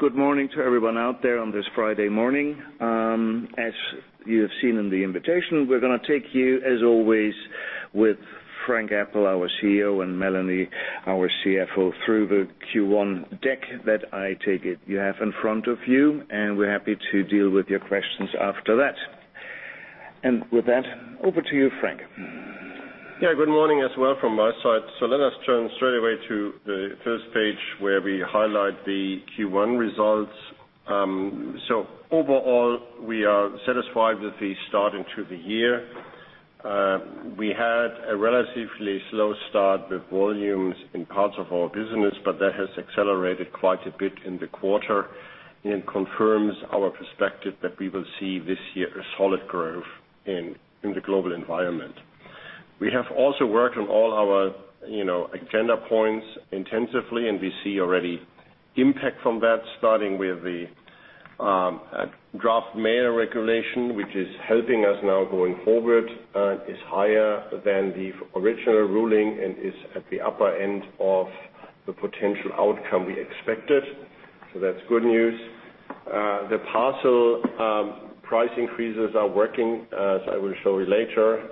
Good morning to everyone out there on this Friday morning. As you have seen in the invitation, we're going to take you, as always, with Frank Appel, our CEO, and Melanie, our CFO, through the Q1 deck that I take it you have in front of you, and we're happy to deal with your questions after that. With that, over to you, Frank. Good morning as well from my side. Let us turn straight away to the first page, where we highlight the Q1 results. Overall, we are satisfied with the starting to the year. We had a relatively slow start with volumes in parts of our business, that has accelerated quite a bit in the quarter and confirms our perspective that we will see this year a solid growth in the global environment. We have also worked on all our agenda points intensively, we see already impact from that, starting with the draft mail regulation, which is helping us now going forward. It's higher than the original ruling and is at the upper end of the potential outcome we expected. That's good news. The parcel price increases are working, as I will show you later.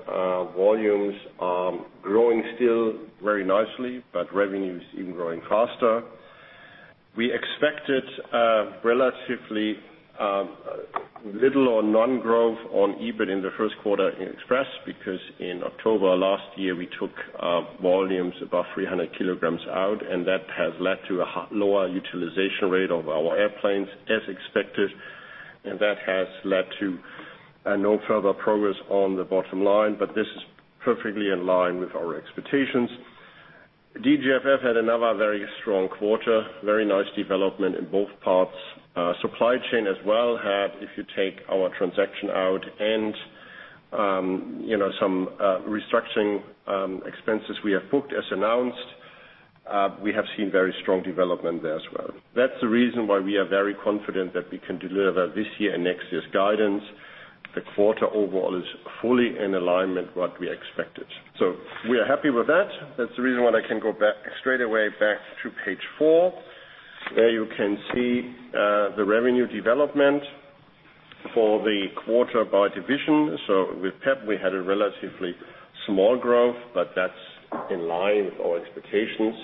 Volumes are growing still very nicely, revenues even growing faster. We expected relatively little or non-growth on EBIT in the first quarter in Express because in October last year, we took volumes above 300 kilograms out, that has led to a lower utilization rate of our airplanes as expected, that has led to no further progress on the bottom line, this is perfectly in line with our expectations. DGFF had another very strong quarter, very nice development in both parts. Supply Chain as well had, if you take our transaction out and some restructuring expenses we have booked as announced, we have seen very strong development there as well. That's the reason why we are very confident that we can deliver this year and next year's guidance. The quarter overall is fully in alignment what we expected. We are happy with that. That's the reason why I can go straight away back to page four, where you can see the revenue development for the quarter by division. With PeP, we had a relatively small growth, that's in line with our expectations.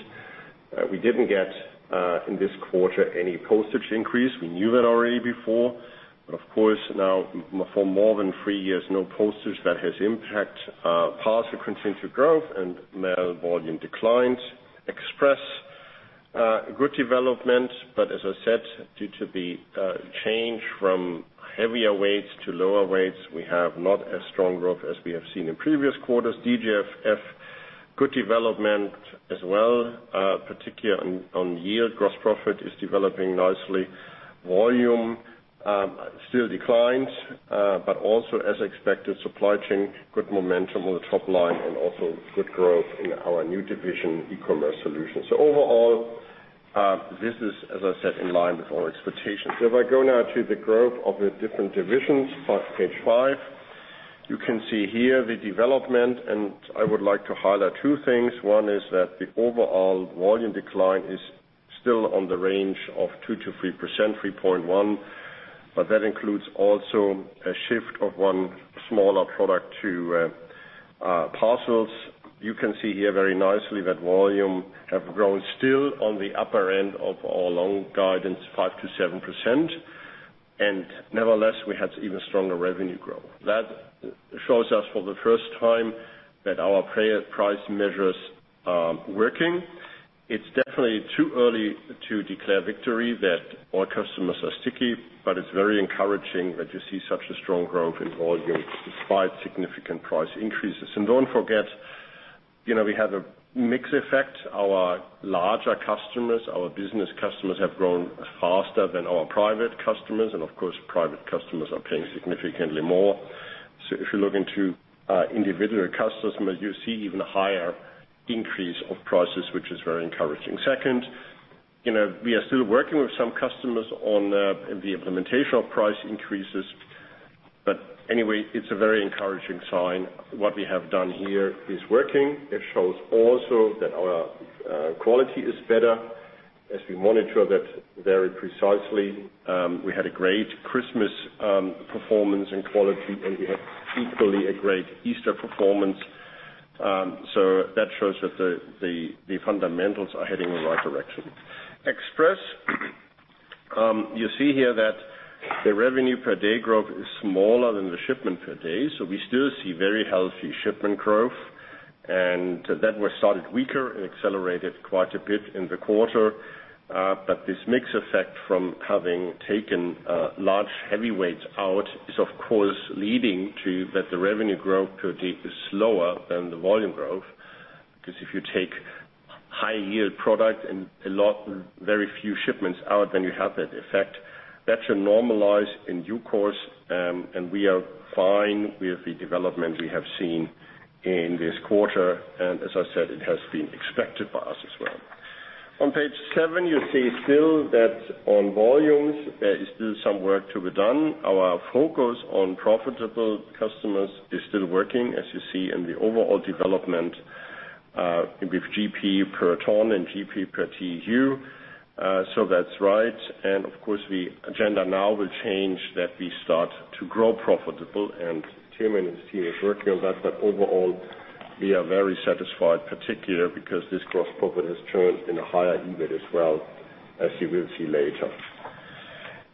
We didn't get, in this quarter, any postage increase. We knew that already before. Of course now, for more than three years, no postage that has impact parcel continued growth and mail volume declines. Express, good development, as I said, due to the change from heavier weights to lower weights, we have not as strong growth as we have seen in previous quarters. DGFF, good development as well, particularly on yield. Gross profit is developing nicely. Volume still declines, also as expected, Supply Chain, good momentum on the top line and also good growth in our new division, eCommerce Solutions. Overall, this is, as I said, in line with our expectations. If I go now to the growth of the different divisions, page five. You can see here the development, and I would like to highlight two things. One is that the overall volume decline is still on the range of 2%-3%, 3.1%, but that includes also a shift of one smaller product to parcels. You can see here very nicely that volume have grown still on the upper end of our long guidance, 5%-7%, and nevertheless, we had even stronger revenue growth. That shows us for the first time that our price measures are working. It's definitely too early to declare victory that all customers are sticky, but it's very encouraging that you see such a strong growth in volume despite significant price increases. Don't forget, we have a mix effect. Our larger customers, our business customers, have grown faster than our private customers. Of course, private customers are paying significantly more. If you look into individual customers, you see even higher increase of prices, which is very encouraging. Second, we are still working with some customers on the implementation of price increases. Anyway, it's a very encouraging sign. What we have done here is working. It shows also that our quality is better as we monitor that very precisely. We had a great Christmas performance and quality, and we had equally a great Easter performance. That shows that the fundamentals are heading in the right direction. Express. You see here that the revenue per day growth is smaller than the shipment per day, so we still see very healthy shipment growth. That was started weaker and accelerated quite a bit in the quarter. This mix effect from having taken large heavy weights out is, of course, leading to that the revenue growth per day is slower than the volume growth. Because if you take high-yield product and very few shipments out, you have that effect. That should normalize in due course, and we are fine with the development we have seen in this quarter. As I said, it has been expected by us as well. On page seven, you see still that on volumes, there is still some work to be done. Our focus on profitable customers is still working, as you see in the overall development with GP per ton and GP per TEU. That's right. Of course, the agenda now will change that we start to grow profitable, and Timo and his team is working on that. Overall, we are very satisfied, particularly because this gross profit has turned in a higher EBIT as well, as you will see later.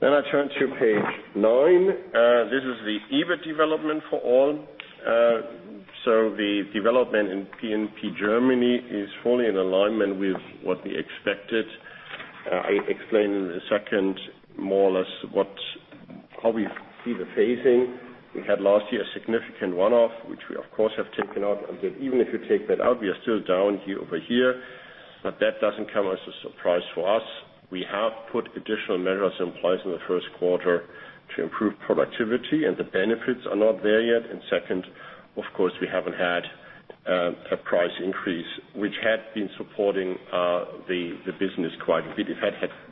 I turn to page nine. This is the EBIT development for all. The development in P&P Germany is fully in alignment with what we expected. I explain in a second more or less how we see the phasing. We had last year a significant one-off, which we of course have taken out. Even if you take that out, we are still down year-over-year. That doesn't come as a surprise for us. We have put additional measures in place in the first quarter to improve productivity, and the benefits are not there yet. Second, of course, we haven't had a price increase, which had been supporting the business quite a bit.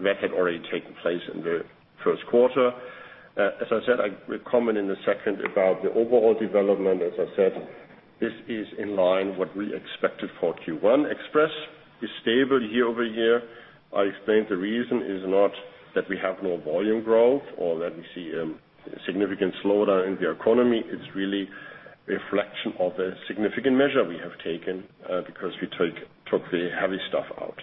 That had already taken place in the first quarter. I will comment in a second about the overall development. This is in line what we expected for Q1. Express is stable year-over-year. I explained the reason is not that we have no volume growth or that we see a significant slowdown in the economy. It's really a reflection of the significant measure we have taken, because we took the heavy stuff out.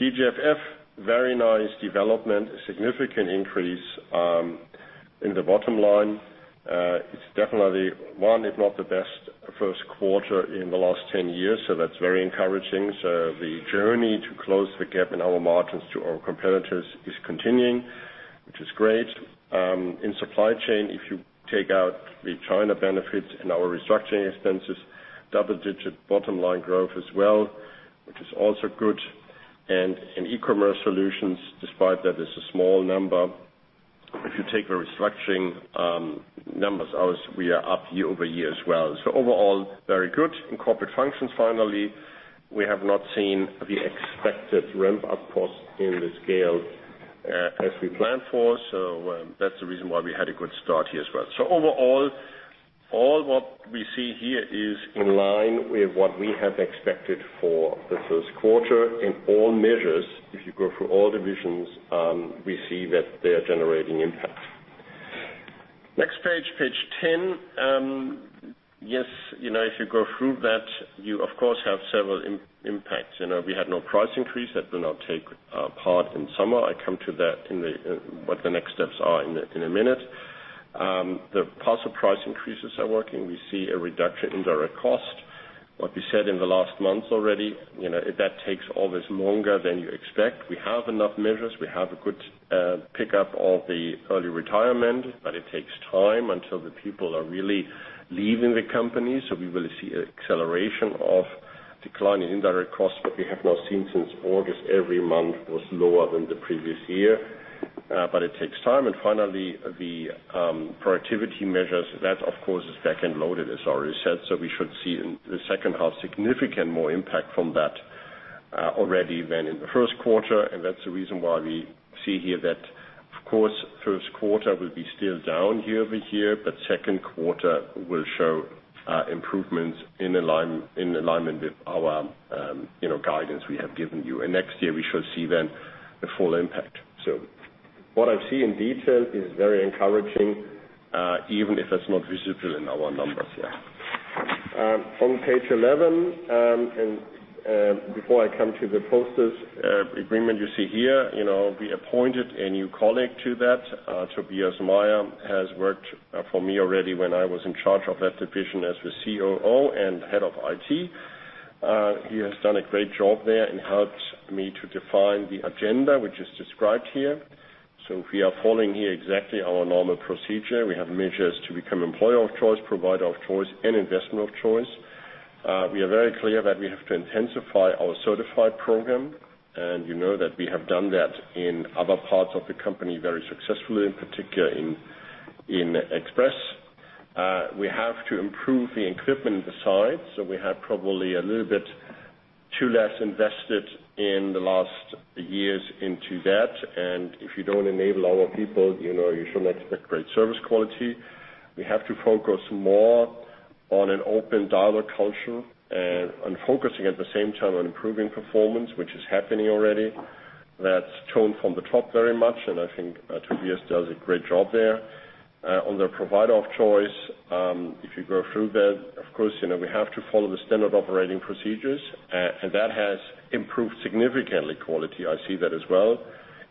DGFF, very nice development. A significant increase in the bottom line. It's definitely one, if not the best first quarter in the last 10 years, that's very encouraging. The journey to close the gap in our margins to our competitors is continuing, which is great. In Supply Chain, if you take out the China benefits and our restructuring expenses, double-digit bottom-line growth as well, which is also good. In eCommerce Solutions, despite that it's a small number, if you take the restructuring numbers out, we are up year-over-year as well. Overall, very good. In corporate functions, finally, we have not seen the expected ramp-up cost in the scale as we planned for. That's the reason why we had a good start here as well. Overall, all what we see here is in line with what we have expected for the first quarter. In all measures, if you go through all divisions, we see that they are generating impact. Next page 10. If you go through that, you of course have several impacts. We had no price increase. That will now take place in summer. I come to that, what the next steps are, in a minute. The parcel price increases are working. We see a reduction in direct cost. What we said in the last month already, that takes always longer than you expect. We have enough measures. We have a good pick-up of the early retirement, but it takes time until the people are really leaving the company. We will see an acceleration of decline in indirect costs, but we have now seen since August every month was lower than the previous year. It takes time. Finally, the productivity measures, that of course, is back-end loaded, as already said. We should see in the second half significant more impact from that already than in the first quarter. That's the reason why we see here that, of course, first quarter will be still down year-over-year. Second quarter will show improvements in alignment with our guidance we have given you. Next year we should see then the full impact. What I see in detail is very encouraging, even if that's not visible in our numbers here. On page 11, before I come to the Post's agreement you see here. We appointed a new colleague to that. Tobias Meyer has worked for me already when I was in charge of that division as the COO and head of IT. He has done a great job there and helped me to define the agenda, which is described here. We are following here exactly our normal procedure. We have measures to become employer of choice, provider of choice, and investment of choice. We are very clear that we have to intensify our Certified program, and you know that we have done that in other parts of the company very successfully, in particular in Express. We have to improve the equipment side. We have probably a little bit too less invested in the last years into that. If you don't enable our people, you should not expect great service quality. We have to focus more on an open dialogue culture and focusing at the same time on improving performance, which is happening already. That's tone from the top very much, and I think Tobias does a great job there. On the provider of choice, if you go through that, of course, we have to follow the standard operating procedures. That has improved significantly quality. I see that as well.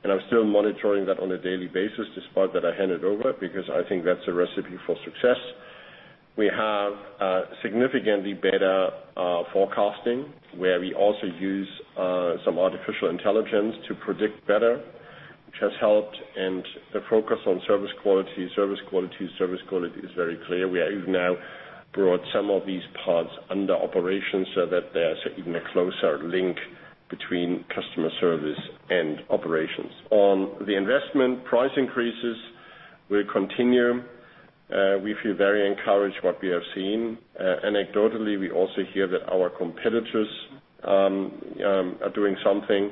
I'm still monitoring that on a daily basis, despite that I hand it over, because I think that's a recipe for success. We have significantly better forecasting, where we also use some artificial intelligence to predict better, which has helped. The focus on service quality, service quality, service quality is very clear. We have now brought some of these parts under operations so that there's even a closer link between customer service and operations. On the investment price increases will continue. We feel very encouraged what we have seen. Anecdotally, we also hear that our competitors are doing something.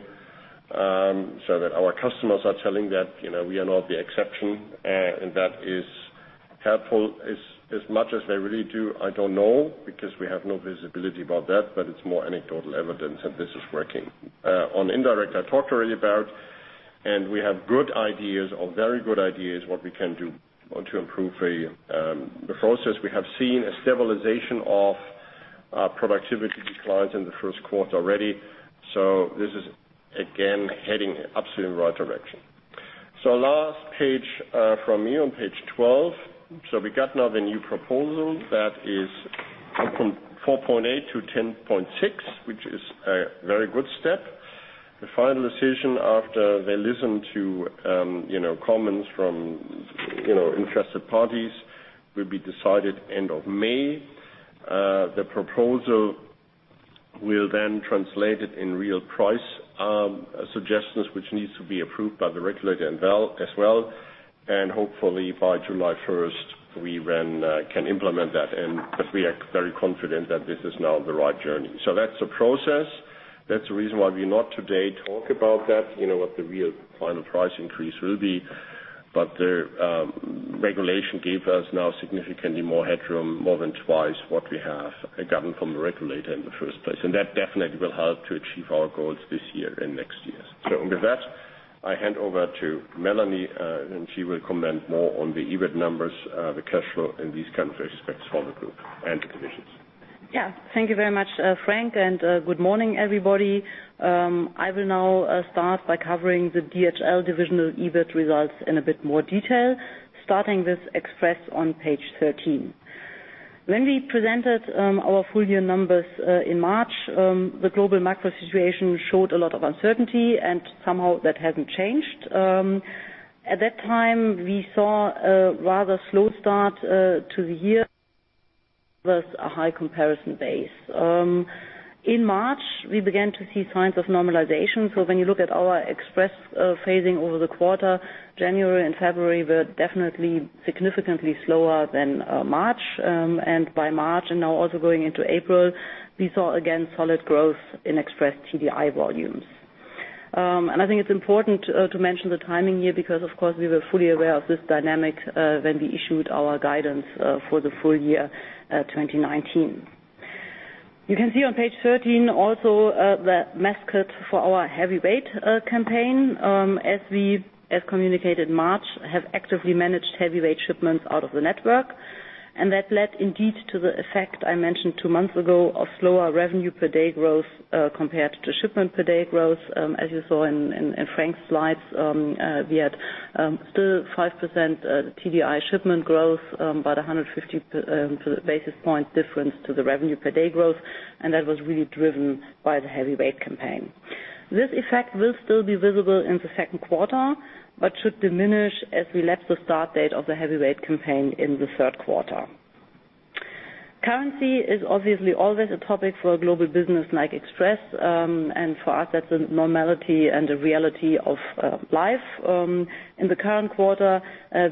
That our customers are telling that we are not the exception, and that is helpful as much as they really do, I don't know, because we have no visibility about that, but it's more anecdotal evidence that this is working. On indirect, I talked already about, and we have good ideas or very good ideas what we can do to improve the process. We have seen a stabilization of productivity declines in the first quarter already. This is again, heading absolutely in the right direction. Last page from me on page 12. We got now the new proposal that is from 4.8 to 10.6, which is a very good step. The final decision after they listen to comments from interested parties, will be decided end of May. The proposal will then translate it in real price suggestions, which needs to be approved by the regulator as well. Hopefully by July 1st, we then can implement that. We are very confident that this is now the right journey. That's a process. That's the reason why we not today talk about that, what the real final price increase will be. The regulation gave us now significantly more headroom, more than twice what we have gotten from the regulator in the first place. That definitely will help to achieve our goals this year and next year. With that, I hand over to Melanie, and she will comment more on the EBIT numbers, the cash flow and these kinds of aspects for the group and the divisions. Thank you very much, Frank, and good morning, everybody. I will now start by covering the DHL divisional EBIT results in a bit more detail. Starting with Express on page 13. When we presented our full year numbers in March, the global macro situation showed a lot of uncertainty and somehow that hasn't changed. At that time, we saw a rather slow start to the year, plus a high comparison base. In March, we began to see signs of normalization. When you look at our Express phasing over the quarter, January and February were definitely significantly slower than March. By March and now also going into April, we saw again solid growth in Express TDI volumes. I think it's important to mention the timing here because of course, we were fully aware of this dynamic, when we issued our guidance for the full year 2019. You can see on page 13 also, the mascot for our heavyweight campaign. As communicated in March, have actively managed heavyweight shipments out of the network. That led indeed to the effect I mentioned two months ago of slower revenue per day growth, compared to shipment per day growth. As you saw in Frank's slides, we had still 5% TDI shipment growth, about 150 basis point difference to the revenue per day growth. That was really driven by the heavyweight campaign. This effect will still be visible in the second quarter, but should diminish as we lap the start date of the heavyweight campaign in the third quarter. Currency is obviously always a topic for a global business like Express, for us, that's a normality and a reality of life. In the current quarter,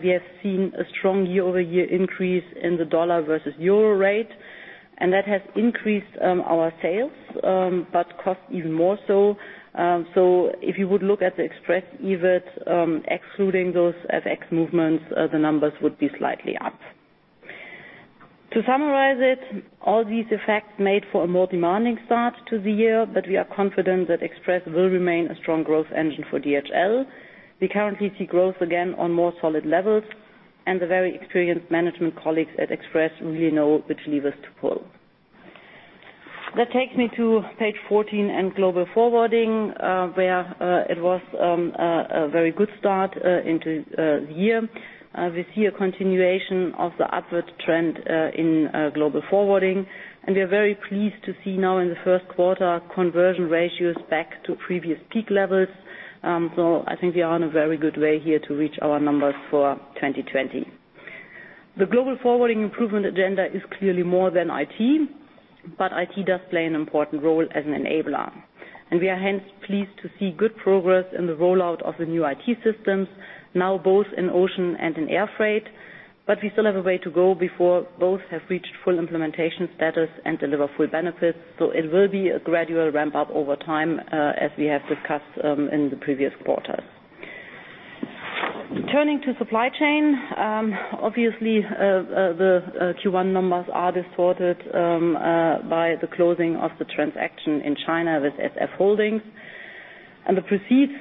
we have seen a strong year-over-year increase in the U.S. dollar versus EUR rate, and that has increased our sales, but cost even more so. If you would look at the Express EBIT, excluding those FX movements, the numbers would be slightly up. To summarize it, all these effects made for a more demanding start to the year, but we are confident that Express will remain a strong growth engine for DHL. We currently see growth again on more solid levels, and the very experienced management colleagues at Express really know which levers to pull. That takes me to page 14 and Global Forwarding, where it was a very good start into the year. We see a continuation of the upward trend in Global Forwarding, and we are very pleased to see now in the first quarter conversion ratios back to previous peak levels. I think we are in a very good way here to reach our numbers for 2020. The Global Forwarding improvement agenda is clearly more than IT, but IT does play an important role as an enabler. We are hence pleased to see good progress in the rollout of the new IT systems now both in ocean and in air freight. We still have a way to go before both have reached full implementation status and deliver full benefits. It will be a gradual ramp-up over time, as we have discussed in the previous quarters. Turning to Supply Chain. Obviously, the Q1 numbers are distorted by the closing of the transaction in China with SF Holdings. The proceeds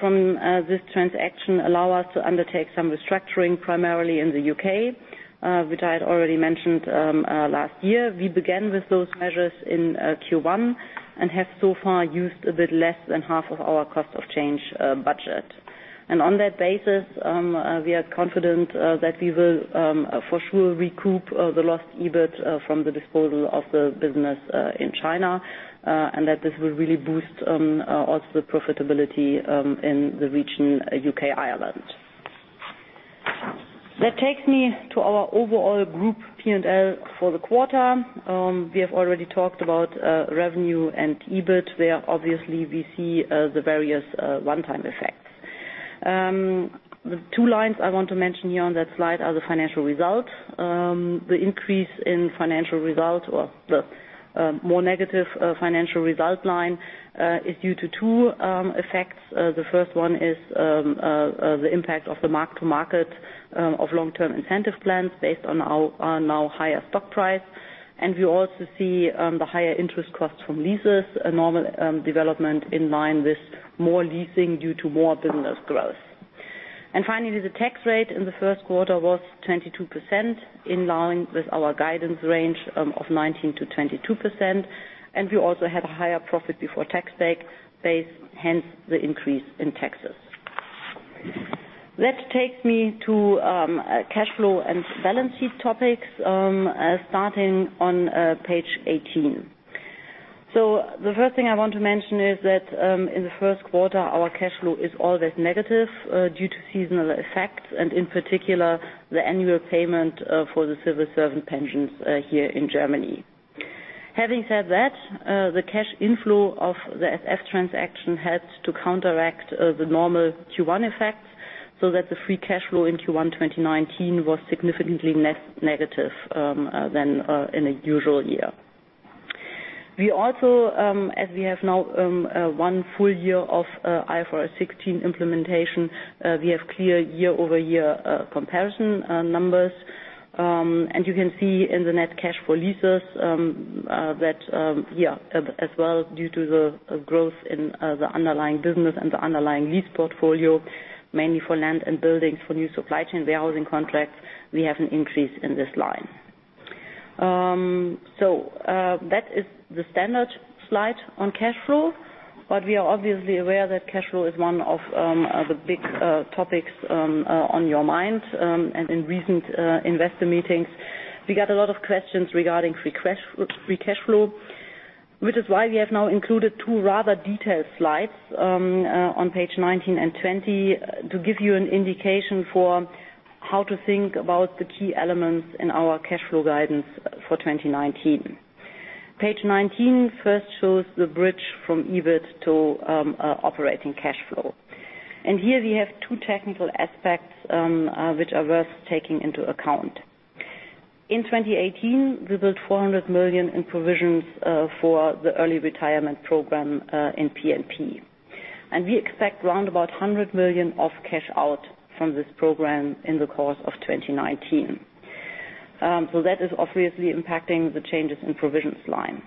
from this transaction allow us to undertake some restructuring primarily in the U.K., which I had already mentioned last year. We began with those measures in Q1, have so far used a bit less than half of our cost of change budget. On that basis, we are confident that we will for sure recoup the lost EBIT from the disposal of the business in China, and that this will really boost also the profitability in the region U.K., Ireland. That takes me to our overall group P&L for the quarter. We have already talked about revenue and EBIT, where obviously we see the various one-time effects. The two lines I want to mention here on that slide are the financial results. The increase in financial result or the more negative financial result line, is due to two effects. The first one is the impact of the mark to market of long-term incentive plans based on our now higher stock price. We also see the higher interest costs from leases, a normal development in line with more leasing due to more business growth. Finally, the tax rate in the first quarter was 22%, in line with our guidance range of 19%-22%. We also had a higher profit before tax base, hence the increase in taxes. That takes me to cash flow and balance sheet topics, starting on page 18. The first thing I want to mention is that in the first quarter, our cash flow is always negative due to seasonal effects, and in particular, the annual payment for the civil servant pensions here in Germany. Having said that, the cash inflow of the SF transaction helped to counteract the normal Q1 effects, so that the free cash flow in Q1 2019 was significantly less negative than in a usual year. We also, as we have now one full year of IFRS 16 implementation, we have clear year-over-year comparison numbers. You can see in the net cash for leases that, as well as due to the growth in the underlying business and the underlying lease portfolio, mainly for land and buildings for new Supply Chain warehousing contracts, we have an increase in this line. That is the standard slide on cash flow, but we are obviously aware that cash flow is one of the big topics on your mind. In recent investor meetings, we got a lot of questions regarding free cash flow, which is why we have now included two rather detailed slides on page 19 and 20 to give you an indication for how to think about the key elements in our cash flow guidance for 2019. Page 19 first shows the bridge from EBIT to operating cash flow. Here we have two technical aspects which are worth taking into account. In 2018, we built 400 million in provisions for the early retirement program in PeP. We expect roundabout 100 million of cash out from this program in the course of 2019. That is obviously impacting the changes in provisions line.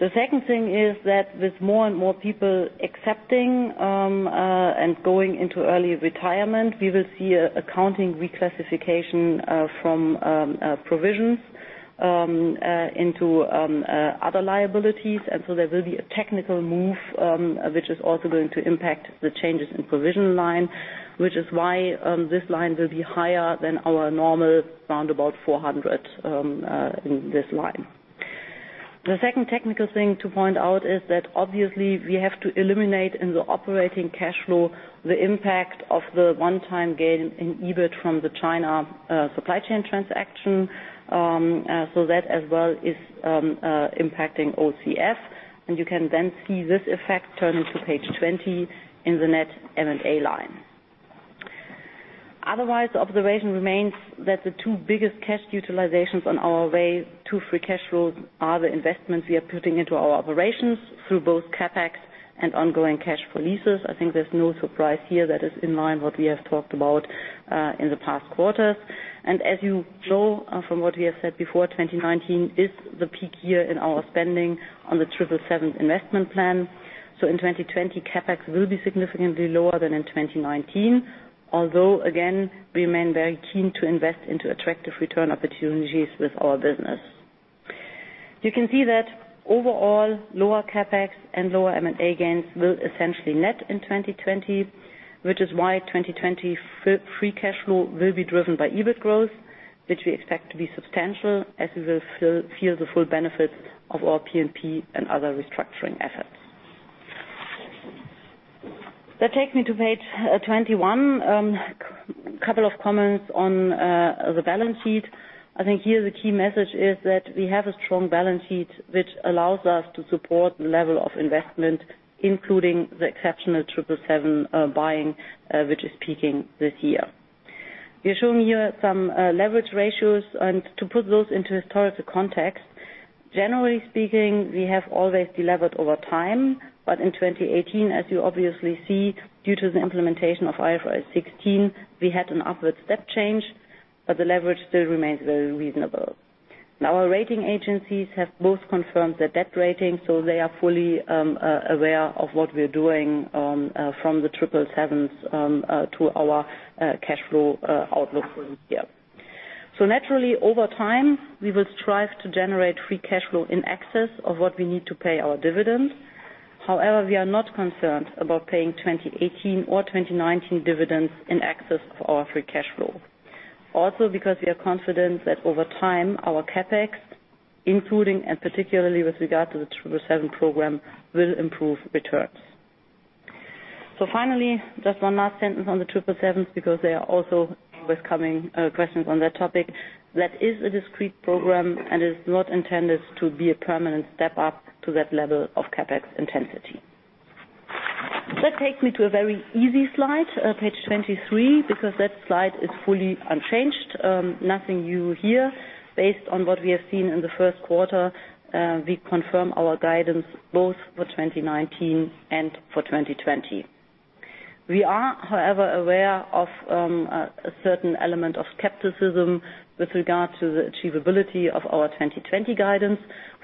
The second thing is that with more and more people accepting and going into early retirement, we will see a accounting reclassification from provisions into other liabilities. There will be a technical move, which is also going to impact the changes in provision line, which is why this line will be higher than our normal roundabout 400 in this line. The second technical thing to point out is that obviously we have to eliminate in the operating cash flow the impact of the one-time gain in EBIT from the China Supply Chain transaction. That as well is impacting OCF, and you can then see this effect turning to page 20 in the net M&A line. Otherwise, the observation remains that the two biggest cash utilizations on our way to free cash flows are the investments we are putting into our operations through both CapEx and ongoing cash for leases. I think there's no surprise here that is in line what we have talked about in the past quarters. As you know from what we have said before, 2019 is the peak year in our spending on the 777 investment plan. In 2020, CapEx will be significantly lower than in 2019, although again, we remain very keen to invest into attractive return opportunities with our business. You can see that overall, lower CapEx and lower M&A gains will essentially net in 2020, which is why 2020 free cash flow will be driven by EBIT growth, which we expect to be substantial as we will feel the full benefits of our PeP and other restructuring efforts. That takes me to page 21. Couple of comments on the balance sheet. I think here the key message is that we have a strong balance sheet, which allows us to support the level of investment, including the exceptional 777 buying, which is peaking this year. We are showing here some leverage ratios and to put those into historical context, generally speaking, we have always delevered over time, but in 2018, as you obviously see, due to the implementation of IFRS 16, we had an upward step change, but the leverage still remains very reasonable. Our rating agencies have both confirmed the debt rating, so they are fully aware of what we are doing from the 777s to our cash flow outlook for this year. Naturally, over time, we will strive to generate free cash flow in excess of what we need to pay our dividends. However, we are not concerned about paying 2018 or 2019 dividends in excess of our free cash flow. Also because we are confident that over time, our CapEx, including and particularly with regard to the 777 program, will improve returns. Finally, just one last sentence on the 777s because there are also always coming questions on that topic. That is a discrete program and is not intended to be a permanent step up to that level of CapEx intensity. That takes me to a very easy slide, page 23, because that slide is fully unchanged. Nothing new here. Based on what we have seen in the first quarter, we confirm our guidance both for 2019 and for 2020. We are, however, aware of a certain element of skepticism with regard to the achievability of our 2020 guidance.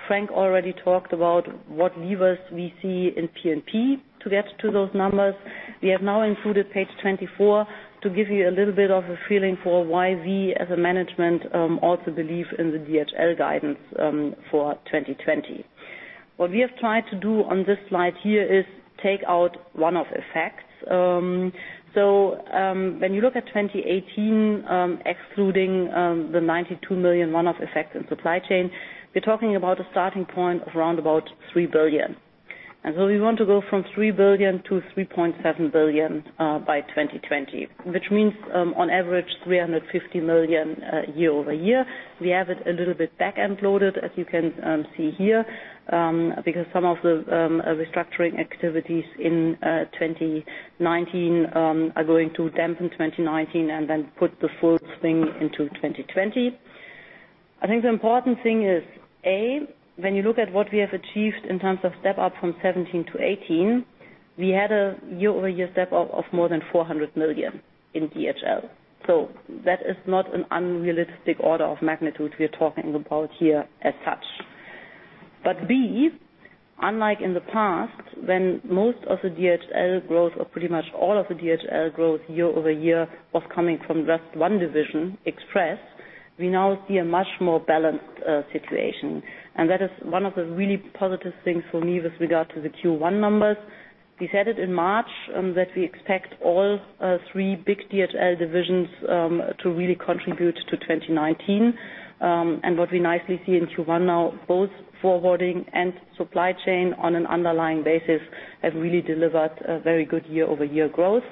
Frank already talked about what levers we see in PeP to get to those numbers. We have now included page 24 to give you a little bit of a feeling for why we, as a management, also believe in the DHL guidance for 2020. What we have tried to do on this slide here is take out one-off effects. When you look at 2018, excluding the 92 million one-off effect in Supply Chain, we are talking about a starting point of around about 3 billion. We want to go from 3 billion to 3.7 billion by 2020, which means on average 350 million year-over-year. We have it a little bit back-end loaded, as you can see here, because some of the restructuring activities in 2019 are going to dampen 2019 and then put the full thing into 2020. I think the important thing is, A, when you look at what we have achieved in terms of step-up from 2017 to 2018, we had a year-over-year step-up of more than 400 million in DHL. That is not an unrealistic order of magnitude we are talking about here as such. B, unlike in the past, when most of the DHL growth, or pretty much all of the DHL growth year-over-year was coming from just one division, Express, we now see a much more balanced situation. That is one of the really positive things for me with regard to the Q1 numbers. We said it in March, that we expect all three big DHL divisions to really contribute to 2019. What we nicely see in Q1 now, both Global Forwarding and Supply Chain on an underlying basis have really delivered a very good year-over-year growth.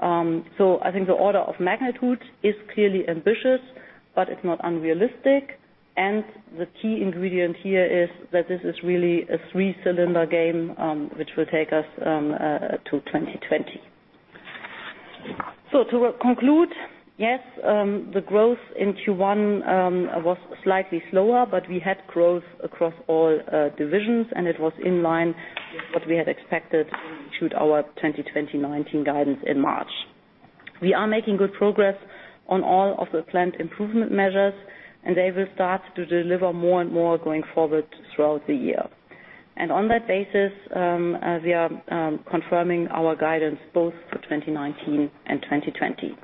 I think the order of magnitude is clearly ambitious, but it is not unrealistic. The key ingredient here is that this is really a three-cylinder game, which will take us to 2020. To conclude, yes, the growth in Q1 was slightly slower, but we had growth across all divisions, and it was in line with what we had expected when we issued our 2019 guidance in March. We are making good progress on all of the planned improvement measures, and they will start to deliver more and more going forward throughout the year. On that basis, we are confirming our guidance both for 2019 and 2020.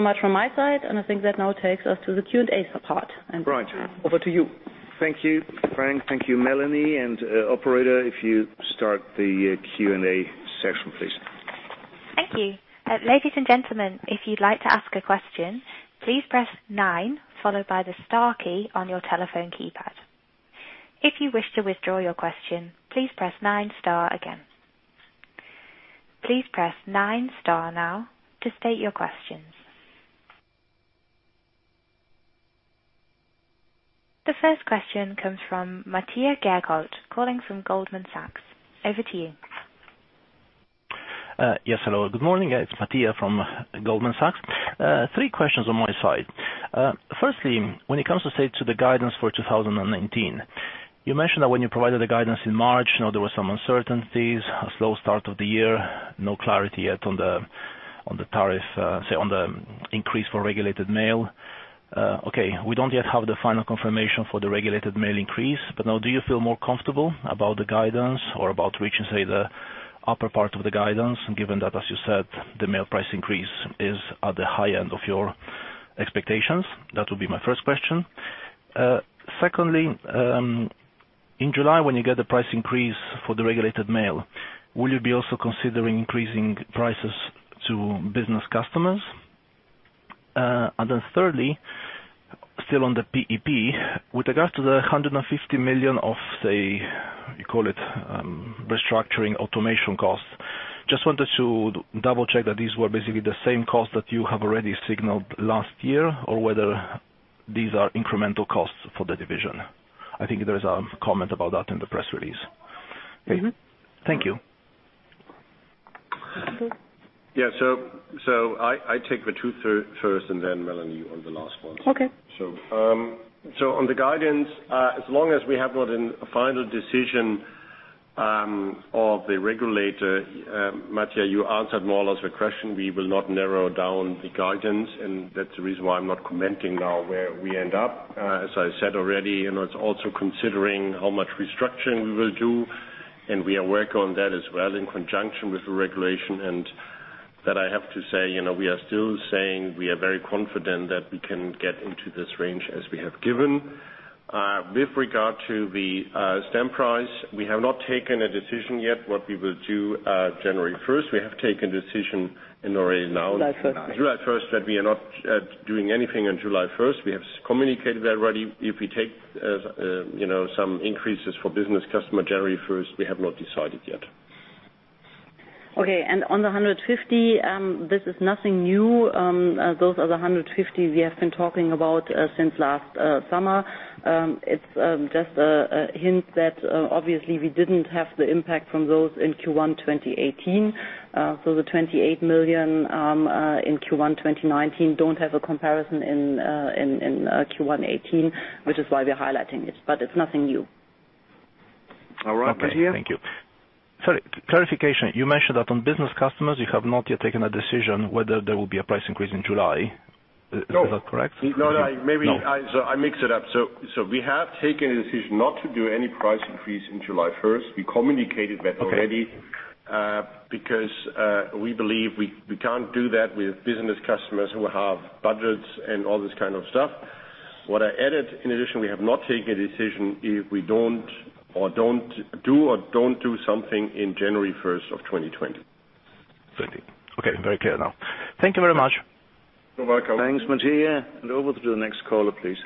Much from my side, and I think that now takes us to the Q&A support. Right. Over to you. Thank you, Frank. Thank you, Melanie. Operator, if you start the Q&A session, please. Thank you. Ladies and gentlemen, if you'd like to ask a question, please press nine followed by the star key on your telephone keypad. If you wish to withdraw your question, please press nine star again. Please press nine star now to state your questions. The first question comes from Mattia Ghergo, calling from Goldman Sachs. Over to you. Yes, hello. Good morning. It's Mattia from Goldman Sachs. Three questions on my side. Firstly, when it comes to, say, to the guidance for 2019, you mentioned that when you provided the guidance in March, there were some uncertainties, a slow start of the year, no clarity yet on the tariff, say, on the increase for regulated mail. Okay. We don't yet have the final confirmation for the regulated mail increase, but now do you feel more comfortable about the guidance or about reaching, say, the upper part of the guidance, given that, as you said, the mail price increase is at the high end of your expectations? That would be my first question. Secondly, in July, when you get the price increase for the regulated mail, will you be also considering increasing prices to business customers? Thirdly, still on the PeP, with regards to the 150 million of, say, you call it restructuring automation costs, just wanted to double-check that these were basically the same costs that you have already signaled last year, or whether these are incremental costs for the division. I think there is a comment about that in the press release. Thank you. Okay. Yeah. I take the two first and then Melanie on the last one. Okay. On the guidance, as long as we have not a final decision of the regulator, Mattia, you answered more or less the question. We will not narrow down the guidance, that's the reason why I'm not commenting now where we end up. I said already, it's also considering how much restructuring we will do, we are working on that as well in conjunction with the regulation. That I have to say, we are still saying we are very confident that we can get into this range as we have given. With regard to the stamp price, we have not taken a decision yet what we will do January 1st. We have taken a decision in already now- July 1st. July 1st, that we are not doing anything on July 1st. We have communicated already. If we take some increases for business customer January 1st, we have not decided yet. Okay. On the 150, this is nothing new. Those are the 150 we have been talking about since last summer. It's just a hint that obviously we didn't have the impact from those in Q1 2018. The 28 million in Q1 2019 don't have a comparison in Q1 2018, which is why we're highlighting it. It's nothing new. All right. Mattia? Okay. Thank you. Sorry, clarification. You mentioned that on business customers, you have not yet taken a decision whether there will be a price increase in July. No. Is that correct? No. No. Maybe I mixed it up. We have taken a decision not to do any price increase in July 1st. We communicated that already. Okay. We believe we can't do that with business customers who have budgets and all this kind of stuff. What I added, in addition, we have not taken a decision if we do or don't do something in January 1st of 2020. Okay. Very clear now. Thank you very much. You're welcome. Thanks, Mattia. Over to the next caller, please.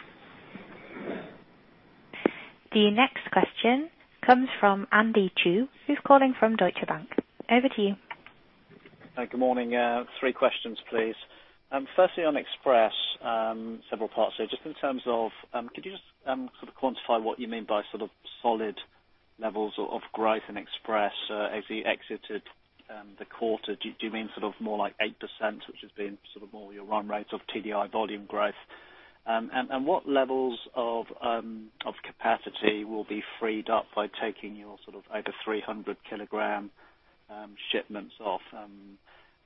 The next question comes from Andy Chu, who's calling from Deutsche Bank. Over to you. Hi, good morning. Three questions, please. Firstly, on Express, several parts there. Just in terms of, could you just sort of quantify what you mean by sort of solid levels of growth in Express as you exited the quarter? Do you mean sort of more like 8%, which has been sort of more your run rate of TDI volume growth? What levels of capacity will be freed up by taking your sort of over 300-kilogram shipments off?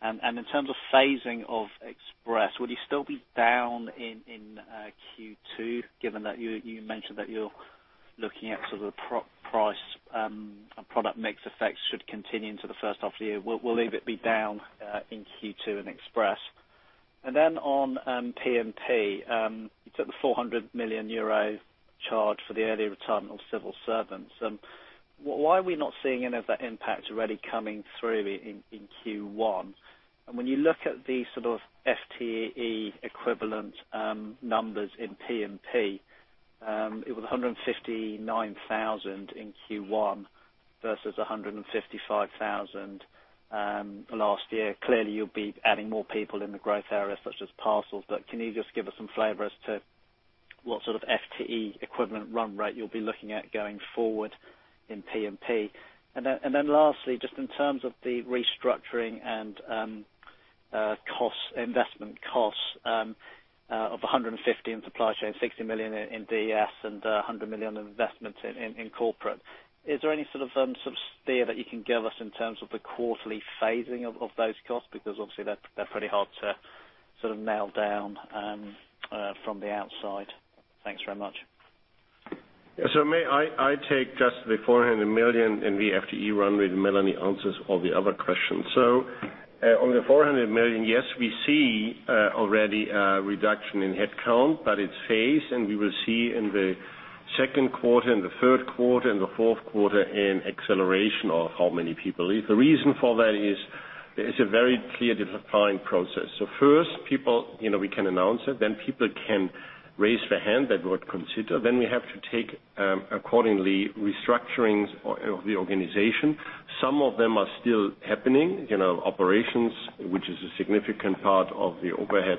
In terms of phasing of Express, will you still be down in Q2, given that you mentioned that you're looking at sort of price and product mix effects should continue into the first half of the year? Will EBITDA be down in Q2 in Express? Then on P&P, you took the 400 million euro charge for the early retirement of civil servants. Why are we not seeing any of that impact already coming through in Q1? When you look at the sort of FTE equivalent numbers in P&P, it was 159,000 in Q1 versus 155,000 last year. Clearly, you'll be adding more people in the growth areas such as parcels, but can you just give us some flavor as to what sort of FTE equivalent run rate you'll be looking at going forward in P&P? Lastly, just in terms of the restructuring and investment costs of 150 in Supply Chain, 60 million in DS, and 100 million of investment in corporate. Is there any sort of steer that you can give us in terms of the quarterly phasing of those costs? Obviously they're pretty hard to sort of nail down from the outside. Thanks very much. May I take just the 400 million in the FTE run rate, and Melanie answers all the other questions. On the 400 million, yes, we see already a reduction in headcount, but it's phased, and we will see in the second quarter, and the third quarter, and the fourth quarter an acceleration of how many people leave. The reason for that is, there is a very clear defined process. First, we can announce it, then people can raise their hand that would consider. We have to take accordingly restructurings of the organization. Some of them are still happening. Operations, which is a significant part of the overhead,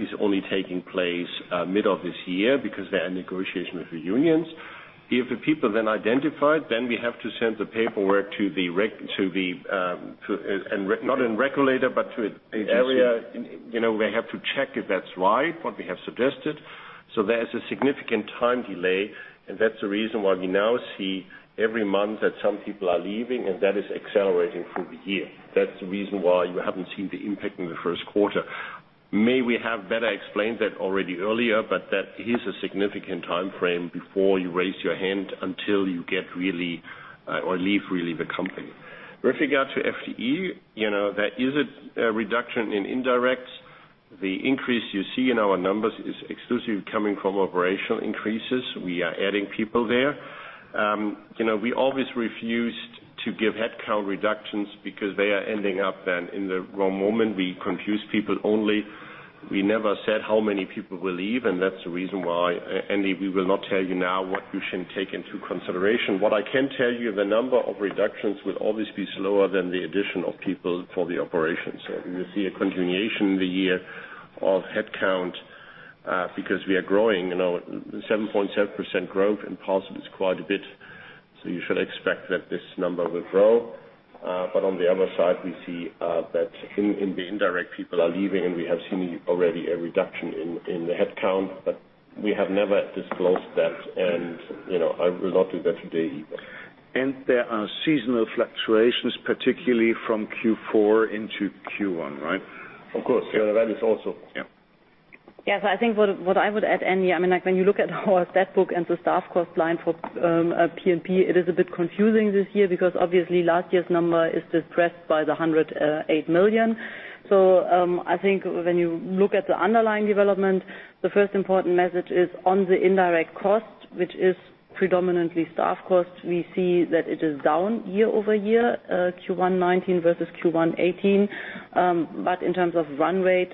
is only taking place mid of this year because there are negotiation with the unions. If the people are then identified, we have to send the paperwork, not in regulator, but to- Agency area. They have to check if that's right, what we have suggested. There is a significant time delay, and that's the reason why we now see every month that some people are leaving, and that is accelerating through the year. That's the reason why you haven't seen the impact in the first quarter. May we have better explained that already earlier, but that is a significant timeframe before you raise your hand until you leave really the company. With regard to FTE, there is a reduction in indirect. The increase you see in our numbers is exclusively coming from operational increases. We are adding people there. We always refused to give headcount reductions because they are ending up then in the wrong moment. We confuse people only. We never said how many people will leave, and that's the reason why, Andy, we will not tell you now what you should take into consideration. What I can tell you, the number of reductions will always be slower than the addition of people for the operations. You will see a continuation in the year of headcount, because we are growing. 7.7% growth in parcel is quite a bit, so you should expect that this number will grow. On the other side, we see that in the indirect, people are leaving, and we have seen already a reduction in the headcount, but we have never disclosed that, and I will not do that today either. There are seasonal fluctuations, particularly from Q4 into Q1, right? Of course. That is also. Yeah. Yes. I think what I would add, Andy, when you look at our stat book and the staff cost line for P&P, it is a bit confusing this year because obviously last year's number is depressed by the 108 million. I think when you look at the underlying development, the first important message is on the indirect cost, which is predominantly staff cost. We see that it is down year-over-year, Q1-19 versus Q1-18. In terms of run rate,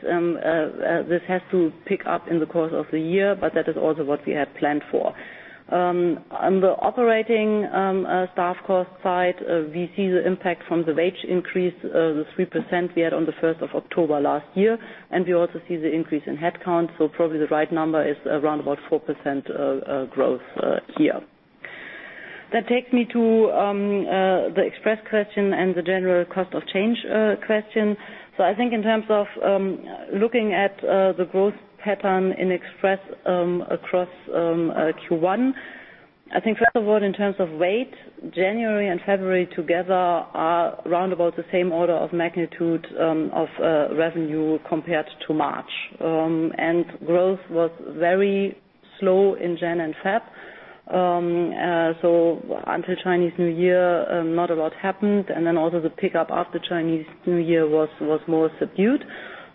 this has to pick up in the course of the year, but that is also what we had planned for. On the operating staff cost side, we see the impact from the wage increase, the 3% we had on the 1st of October last year, and we also see the increase in headcount. Probably the right number is around about 4% growth here. That takes me to the Express question and the general cost of change question. I think in terms of looking at the growth pattern in Express across Q1, I think first of all, in terms of weight, January and February together are around about the same order of magnitude of revenue compared to March. Growth was very slow in Jan and Feb. Until Chinese New Year, not a lot happened. Then also the pickup after Chinese New Year was more subdued.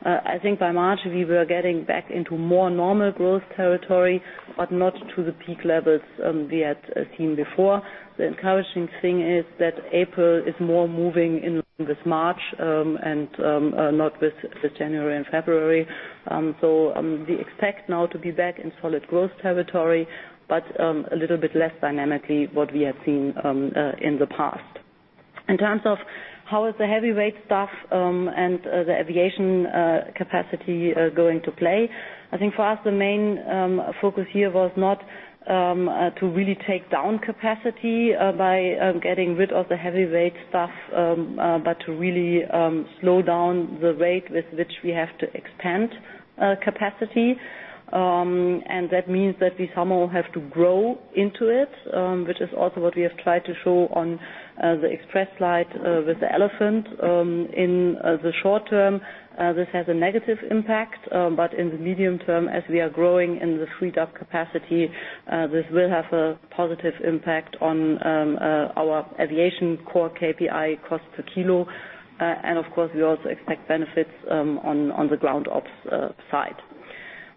I think by March, we were getting back into more normal growth territory, but not to the peak levels we had seen before. The encouraging thing is that April is more moving in with March, and not with January and February. We expect now to be back in solid growth territory, but a little bit less dynamically what we have seen in the past. In terms of how is the heavyweight stuff and the aviation capacity going to play? I think for us, the main focus here was not to really take down capacity by getting rid of the heavyweight stuff, but to really slow down the rate with which we have to expand capacity. That means that we somehow have to grow into it, which is also what we have tried to show on the Express slide with the elephant. In the short term, this has a negative impact. In the medium term, as we are growing in the freed-up capacity, this will have a positive impact on our aviation core KPI cost per kilo. Of course, we also expect benefits on the ground ops side.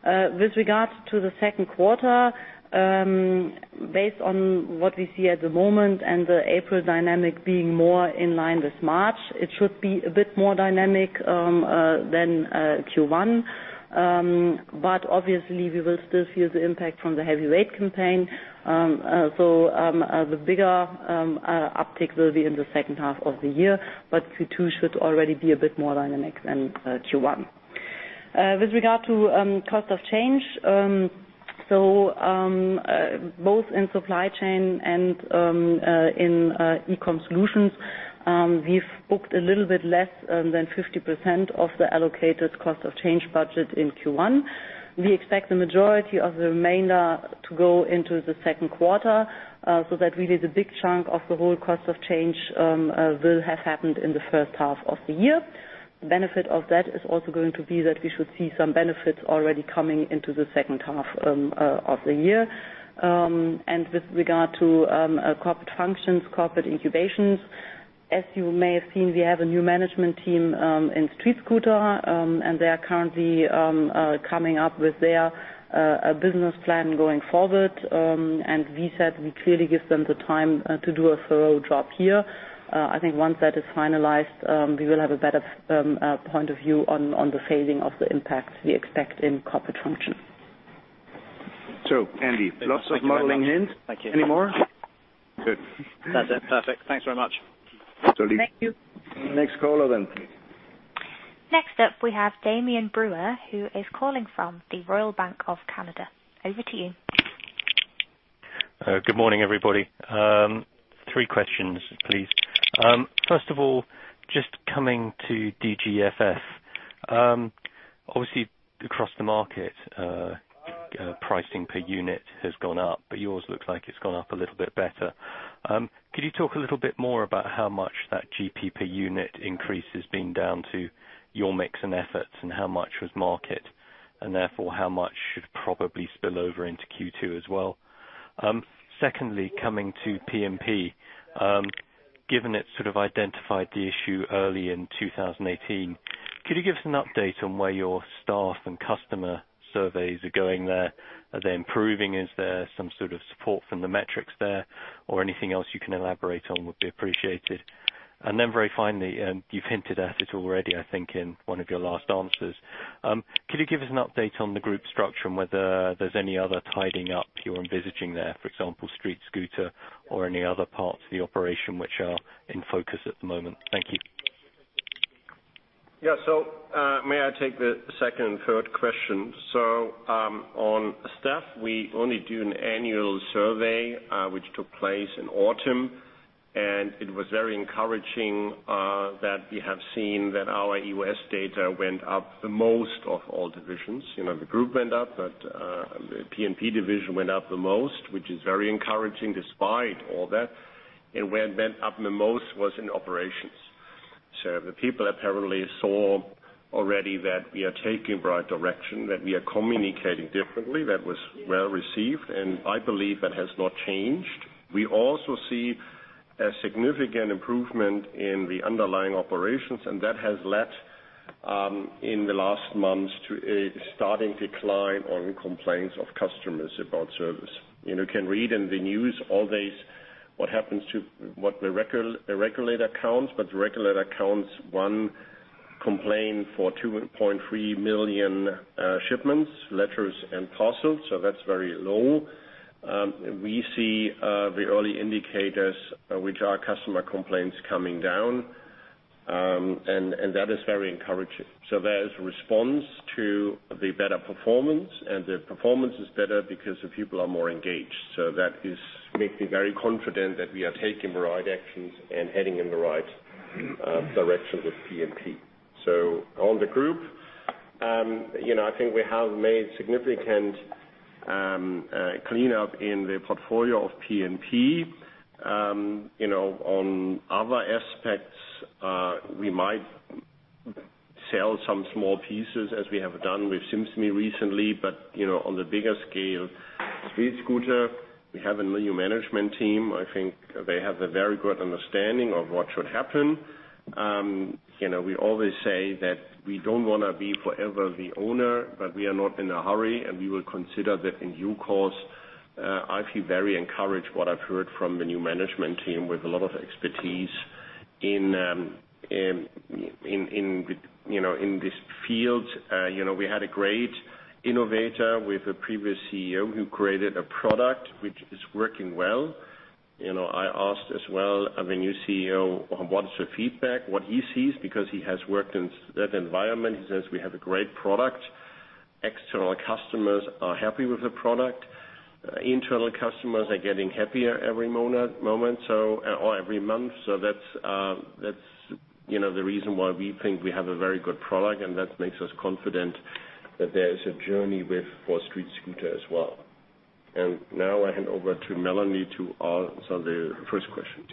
With regards to the second quarter, based on what we see at the moment and the April dynamic being more in line with March, it should be a bit more dynamic than Q1. Obviously, we will still feel the impact from the heavyweight campaign. The bigger uptick will be in the second half of the year, but Q2 should already be a bit more dynamic than Q1. With regard to cost of change, both in Supply Chain and in eCommerce Solutions, we've booked a little bit less than 50% of the allocated cost of change budget in Q1. We expect the majority of the remainder to go into the second quarter, so that really the big chunk of the whole cost of change will have happened in the first half of the year. The benefit of that is also going to be that we should see some benefits already coming into the second half of the year. With regard to corporate functions, corporate incubations, as you may have seen, we have a new management team in StreetScooter, and they are currently coming up with their business plan going forward. We said we clearly give them the time to do a thorough job here. I think once that is finalized, we will have a better point of view on the phasing of the impacts we expect in corporate functions. Andy, lots of modeling in. Thank you. Any more? Good. That's it. Perfect. Thanks very much. Leave. Thank you. Next caller, please. Next up, we have Damian Brewer, who is calling from the Royal Bank of Canada. Over to you. Good morning, everybody. Three questions, please. First of all, just coming to DGFF. Obviously, across the market, pricing per unit has gone up, but yours looks like it's gone up a little bit better. Could you talk a little bit more about how much that GP per unit increase has been down to your mix and efforts, and how much was market, and therefore how much should probably spill over into Q2 as well? Secondly, coming to P&P. Given it sort of identified the issue early in 2018, could you give us an update on where your staff and customer surveys are going there? Are they improving? Is there some sort of support from the metrics there? Anything else you can elaborate on would be appreciated. Very finally, you've hinted at it already, I think, in one of your last answers. Could you give us an update on the group structure and whether there's any other tidying up you're envisaging there, for example, StreetScooter or any other parts of the operation which are in focus at the moment? Thank you. Yeah. May I take the second and third question? On staff, we only do an annual survey, which took place in autumn. It was very encouraging that we have seen that our U.S. data went up the most of all divisions. The group went up, the P&P division went up the most, which is very encouraging despite all that. It went up the most was in operations. The people apparently saw already that we are taking the right direction, that we are communicating differently. That was well received, and I believe that has not changed. We also see a significant improvement in the underlying operations, that has led in the last months to a starting decline on complaints of customers about service. You can read in the news all days what the regulator counts, the regulator counts one complained for 2.3 million shipments, letters, and parcels. That's very low. We see the early indicators, which are customer complaints coming down. That is very encouraging. There is response to the better performance, the performance is better because the people are more engaged. That makes me very confident that we are taking the right actions and heading in the right direction with P&P. On the Group, I think we have made significant cleanup in the portfolio of P&P. On other aspects, we might sell some small pieces as we have done with SIMSme recently, on the bigger scale, StreetScooter, we have a new management team. I think they have a very good understanding of what should happen. We always say that we don't want to be forever the owner, we are not in a hurry, we will consider that in due course. I feel very encouraged what I've heard from the new management team with a lot of expertise in this field. We had a great innovator with a previous CEO who created a product which is working well. I asked as well of the new CEO, what is the feedback, what he sees, because he has worked in that environment. He says we have a great product. External customers are happy with the product. Internal customers are getting happier every moment or every month. That's the reason why we think we have a very good product, that makes us confident that there is a journey with, for StreetScooter as well. Now I hand over to Melanie to answer the first question.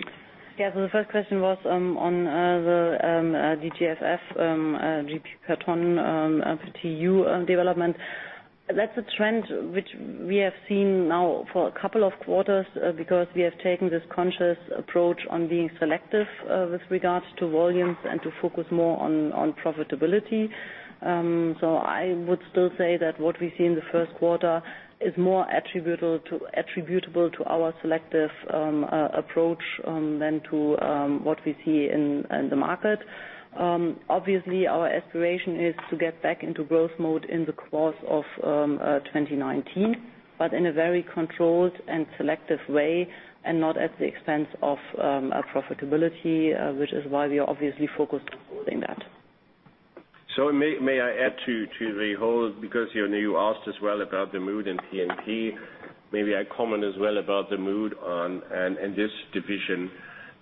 Thank you. The first question was on the DGFF GP per ton for TEU development. That's a trend which we have seen now for a couple of quarters because we have taken this conscious approach on being selective with regards to volumes and to focus more on profitability. I would still say that what we see in the first quarter is more attributable to our selective approach than to what we see in the market. Obviously, our aspiration is to get back into growth mode in the course of 2019, but in a very controlled and selective way, not at the expense of profitability, which is why we are obviously focused on doing that. May I add to the whole, because you asked as well about the mood in PeP. Maybe I comment as well about the mood in this division.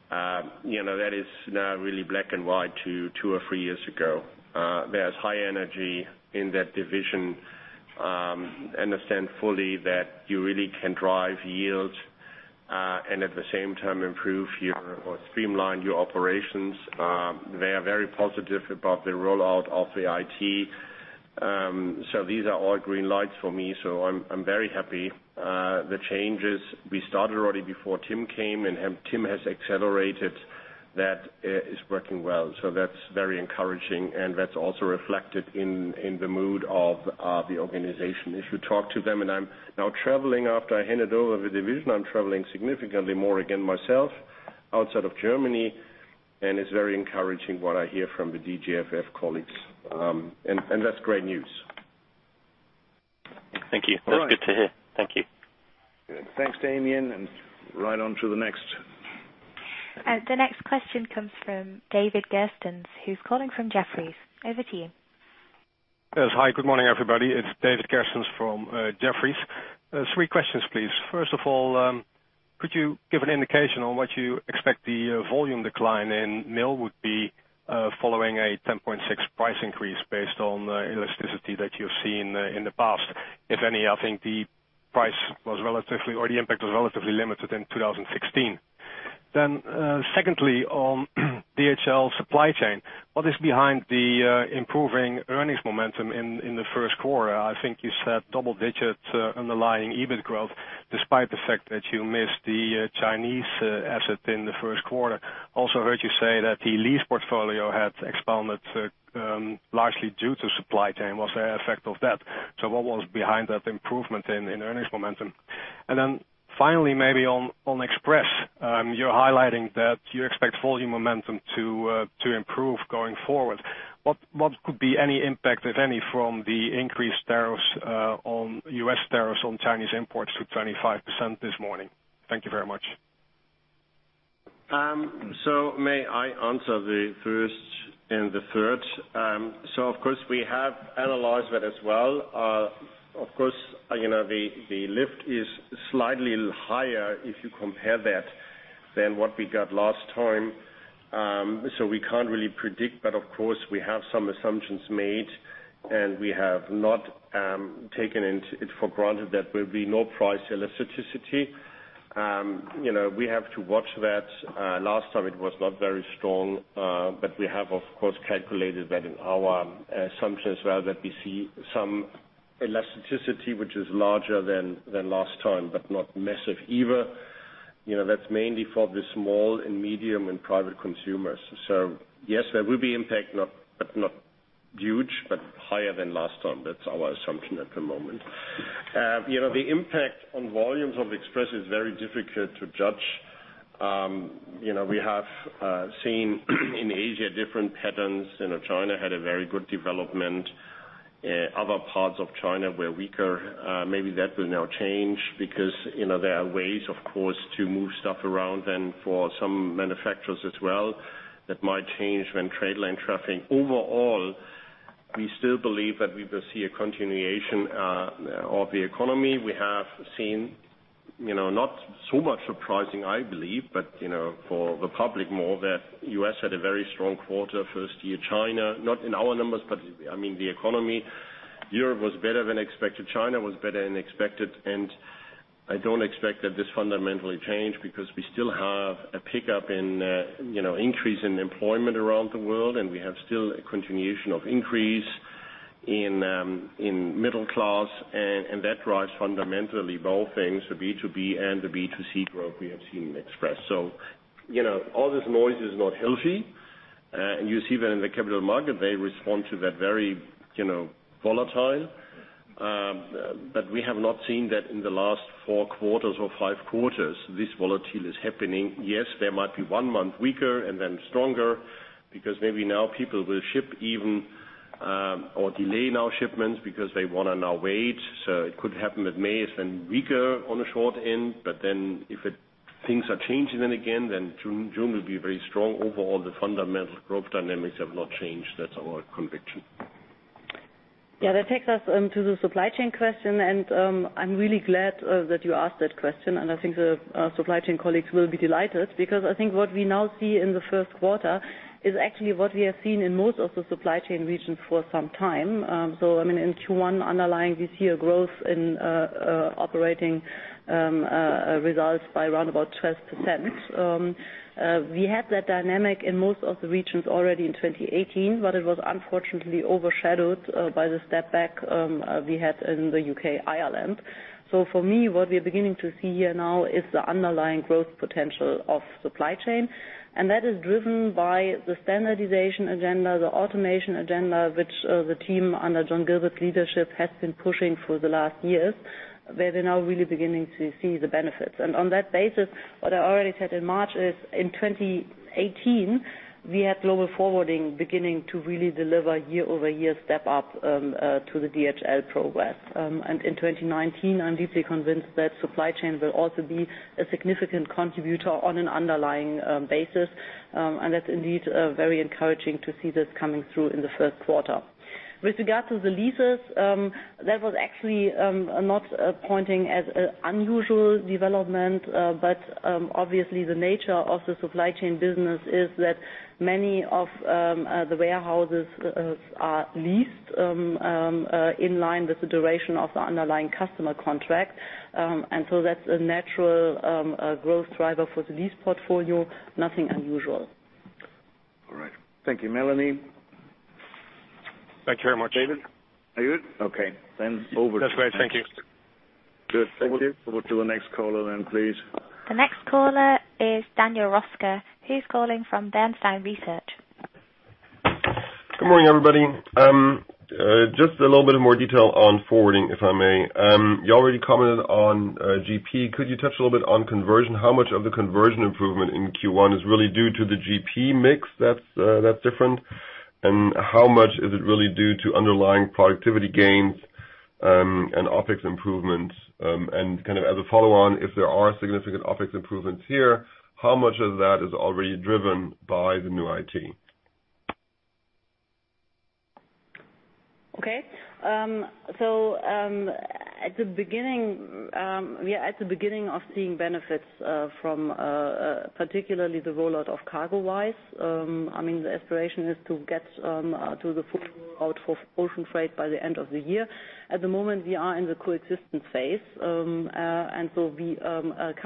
That is now really black and white to two or three years ago. There's high energy in that division. Understand fully that you really can drive yields, and at the same time improve your, or streamline your operations. They are very positive about the rollout of the IT. These are all green lights for me. I'm very happy. The changes we started already before Tim came, Tim has accelerated that is working well. That's very encouraging, and that's also reflected in the mood of the organization. If you talk to them, I'm now traveling after I handed over the division, I'm traveling significantly more again myself outside of Germany, and it's very encouraging what I hear from the DGFF colleagues. That's great news. Thank you. All right. That's good to hear. Thank you. Thanks, Damian. Right on to the next. The next question comes from David Kerstens, who is calling from Jefferies. Over to you. Hi, good morning, everybody. It is David Kerstens from Jefferies. Three questions, please. First of all, could you give an indication on what you expect the volume decline in mail would be following a 10.6 price increase based on the elasticity that you have seen in the past? If any, I think the price was relatively, or the impact was relatively limited in 2016. Secondly, on DHL Supply Chain, what is behind the improving earnings momentum in the first quarter? I think you said double digit underlying EBIT growth, despite the fact that you missed the Chinese asset in the first quarter. Also heard you say that the lease portfolio had expanded largely due to Supply Chain. Was there an effect of that? What was behind that improvement in earnings momentum? Finally, maybe on Express. You are highlighting that you expect volume momentum to improve going forward. What could be any impact, if any, from the increased tariffs on, U.S. tariffs on Chinese imports to 25% this morning? Thank you very much. May I answer the first and the third? Of course, we have analyzed that as well. Of course, the lift is slightly higher if you compare that than what we got last time. We can't really predict, but of course, we have some assumptions made, and we have not taken it for granted that there will be no price elasticity. We have to watch that. Last time it was not very strong. We have, of course, calculated that in our assumptions as well, that we see some elasticity which is larger than last time, but not massive Huge, but higher than last time. That's our assumption at the moment. The impact on volumes of Express is very difficult to judge. We have seen in Asia different patterns. China had a very good development. Other parts of China were weaker. Maybe that will now change because there are ways, of course, to move stuff around then for some manufacturers as well. That might change when trade lane trapping. Overall, we still believe that we will see a continuation of the economy. We have seen not so much surprising, I believe, but for the public more that U.S. had a very strong quarter, first year China, not in our numbers, but the economy. Europe was better than expected. China was better than expected. I don't expect that this fundamentally change, because we still have a pickup in increase in employment around the world, and we have still a continuation of increase in middle class, and that drives fundamentally both things, the B2B and the B2C growth we have seen in Express. All this noise is not healthy. You see that in the capital market, they respond to that very volatile. We have not seen that in the last four quarters or five quarters, this volatility is happening. Yes, there might be one month weaker and then stronger because maybe now people will ship even, or delay now shipments because they want to now wait. It could happen that May is then weaker on the short end, but then if things are changing then again, then June will be very strong. Overall, the fundamental growth dynamics have not changed. That's our conviction. That takes us to the Supply Chain question. I'm really glad that you asked that question. I think the Supply Chain colleagues will be delighted because I think what we now see in the first quarter is actually what we have seen in most of the Supply Chain regions for some time. In Q1 underlying, we see a growth in operating results by around about 12%. We had that dynamic in most of the regions already in 2018, but it was unfortunately overshadowed by the step back we had in the U.K., Ireland. For me, what we are beginning to see here now is the underlying growth potential of Supply Chain, and that is driven by the standardization agenda, the automation agenda, which the team under John Gilbert's leadership has been pushing for the last years, where they're now really beginning to see the benefits. On that basis, what I already said in March is in 2018, we had Global Forwarding beginning to really deliver year-over-year step up to the DHL progress. In 2019, I'm deeply convinced that Supply Chain will also be a significant contributor on an underlying basis. That's indeed very encouraging to see this coming through in the first quarter. With regard to the leases, that was actually not pointing as an unusual development. Obviously, the nature of the Supply Chain business is that many of the warehouses are leased in line with the duration of the underlying customer contract. That's a natural growth driver for the lease portfolio, nothing unusual. All right. Thank you, Melanie. Thank you very much. David? David? Okay. That's great. Thank you. Good. Thank you. Over to the next caller then, please. The next caller is Daniel Roeska, who's calling from Bernstein Research. Good morning, everybody. Just a little bit more detail on forwarding, if I may. You already commented on GP. Could you touch a little bit on conversion? How much of the conversion improvement in Q1 is really due to the GP mix that's different? How much is it really due to underlying productivity gains and OpEx improvements? As a follow-on, if there are significant OpEx improvements here, how much of that is already driven by the new IT? Okay. We are at the beginning of seeing benefits from particularly the rollout of CargoWise. The aspiration is to get to the full rollout for ocean freight by the end of the year. At the moment, we are in the coexistence phase. We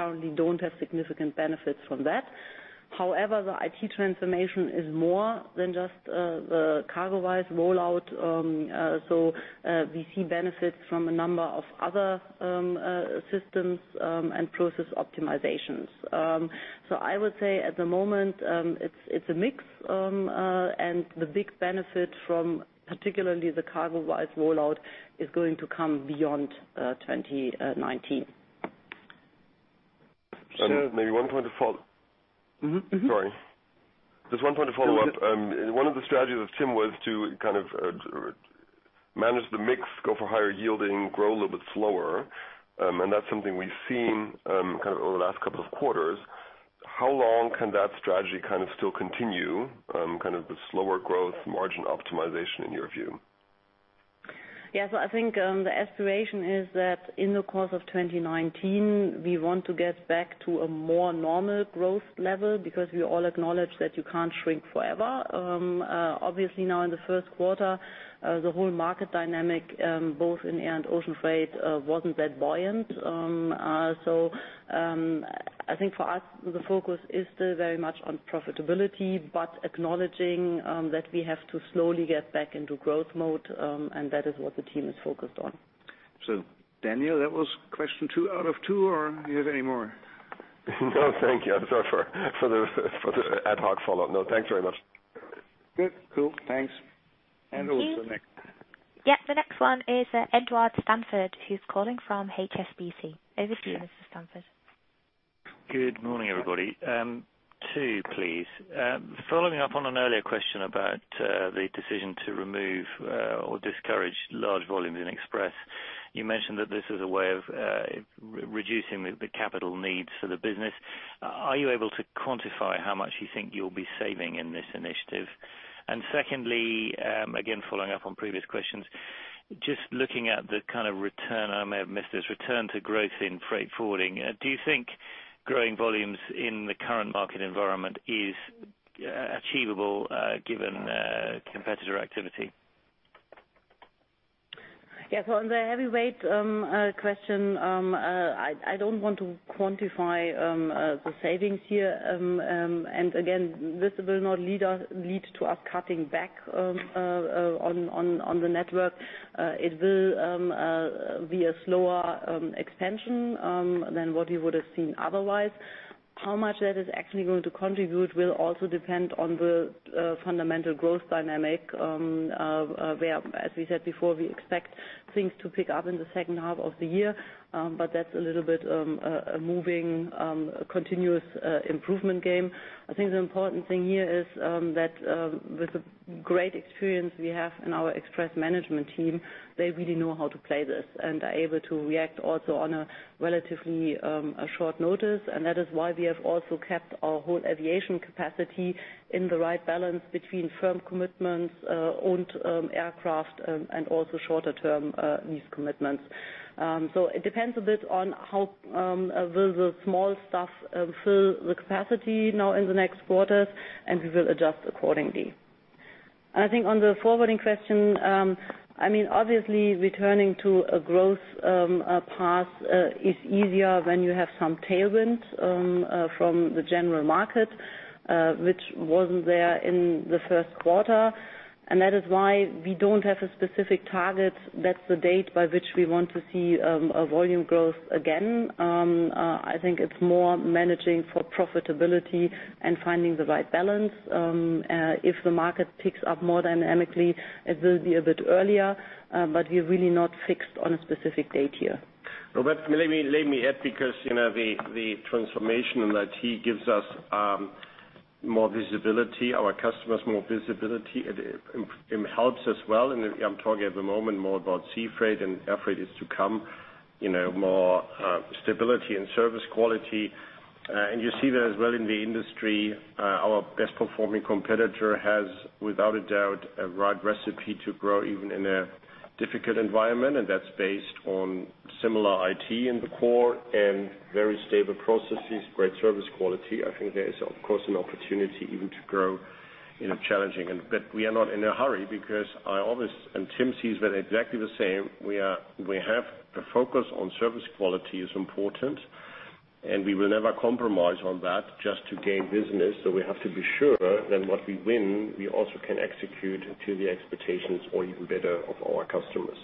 currently don't have significant benefits from that. However, the IT transformation is more than just the CargoWise rollout. I would say at the moment, it's a mix, and the big benefit from particularly the CargoWise rollout is going to come beyond 2019. So- Maybe one point to follow. Sorry. Just one point to follow up. One of the strategies with Tim was to kind of manage the mix, go for higher yielding, grow a little bit slower. That's something we've seen over the last couple of quarters. How long can that strategy still continue? Kind of the slower growth margin optimization in your view? I think the aspiration is that in the course of 2019, we want to get back to a more normal growth level because we all acknowledge that you can't shrink forever. Obviously, now in the first quarter, the whole market dynamic, both in air and ocean freight, wasn't that buoyant. I think for us, the focus is still very much on profitability, but acknowledging that we have to slowly get back into growth mode, that is what the team is focused on. Daniel, that was question two out of two, or do you have any more? No, thank you. Sorry for the ad hoc follow-up. No, thanks very much. Good. Cool, thanks. Thank you. Who's the next? The next one is Edward Stanford, who's calling from HSBC. Over to you, Mr. Stanford. Good morning, everybody. Two, please. Following up on an earlier question about the decision to remove or discourage large volumes in Express. You mentioned that this is a way of reducing the capital needs for the business. Are you able to quantify how much you think you will be saving in this initiative? Secondly, again, following up on previous questions, just looking at the kind of return, I may have missed this, return to growth in freight forwarding. Do you think growing volumes in the current market environment is achievable, given competitor activity? Yeah. On the heavyweight question, I don't want to quantify the savings here. Again, this will not lead to us cutting back on the network. It will be a slower expansion than what you would have seen otherwise. How much that is actually going to contribute will also depend on the fundamental growth dynamic, where, as we said before, we expect things to pick up in the second half of the year. That's a little bit of a moving, continuous improvement game. I think the important thing here is that with the great experience we have in our Express management team, they really know how to play this and are able to react also on a relatively short notice. That is why we have also kept our whole aviation capacity in the right balance between firm commitments, owned aircraft, and also shorter-term lease commitments. It depends a bit on how will the small stuff fill the capacity now in the next quarters, and we will adjust accordingly. I think on the forwarding question, obviously, returning to a growth path is easier when you have some tailwinds from the general market, which wasn't there in the first quarter. That is why we don't have a specific target. That's the date by which we want to see a volume growth again. I think it's more managing for profitability and finding the right balance. If the market picks up more dynamically, it will be a bit earlier. We're really not fixed on a specific date here. Robert, let me add, because the transformation in IT gives us more visibility, our customers more visibility. It helps as well, and I'm talking at the moment more about sea freight and air freight is to come, more stability and service quality. You see that as well in the industry. Our best-performing competitor has, without a doubt, a right recipe to grow even in a difficult environment. That's based on similar IT in the core and very stable processes, great service quality. I think there is, of course, an opportunity even to grow in a challenging environment. We are not in a hurry because I always, and Tim sees that exactly the same, we have the focus on service quality is important, and we will never compromise on that just to gain business. We have to be sure that what we win, we also can execute to the expectations or even better of our customers.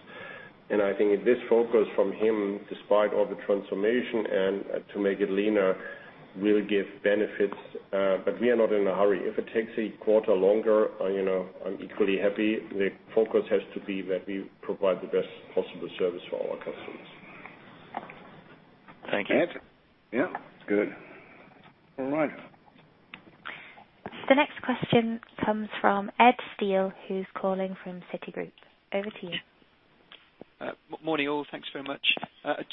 I think this focus from him, despite all the transformation and to make it leaner, will give benefits. We are not in a hurry. If it takes a quarter longer, I'm equally happy. The focus has to be that we provide the best possible service for our customers. Thank you. Ed? Yeah. Good. All right. The next question comes from Edward Steel, who's calling from Citigroup. Over to you. Morning, all. Thanks very much.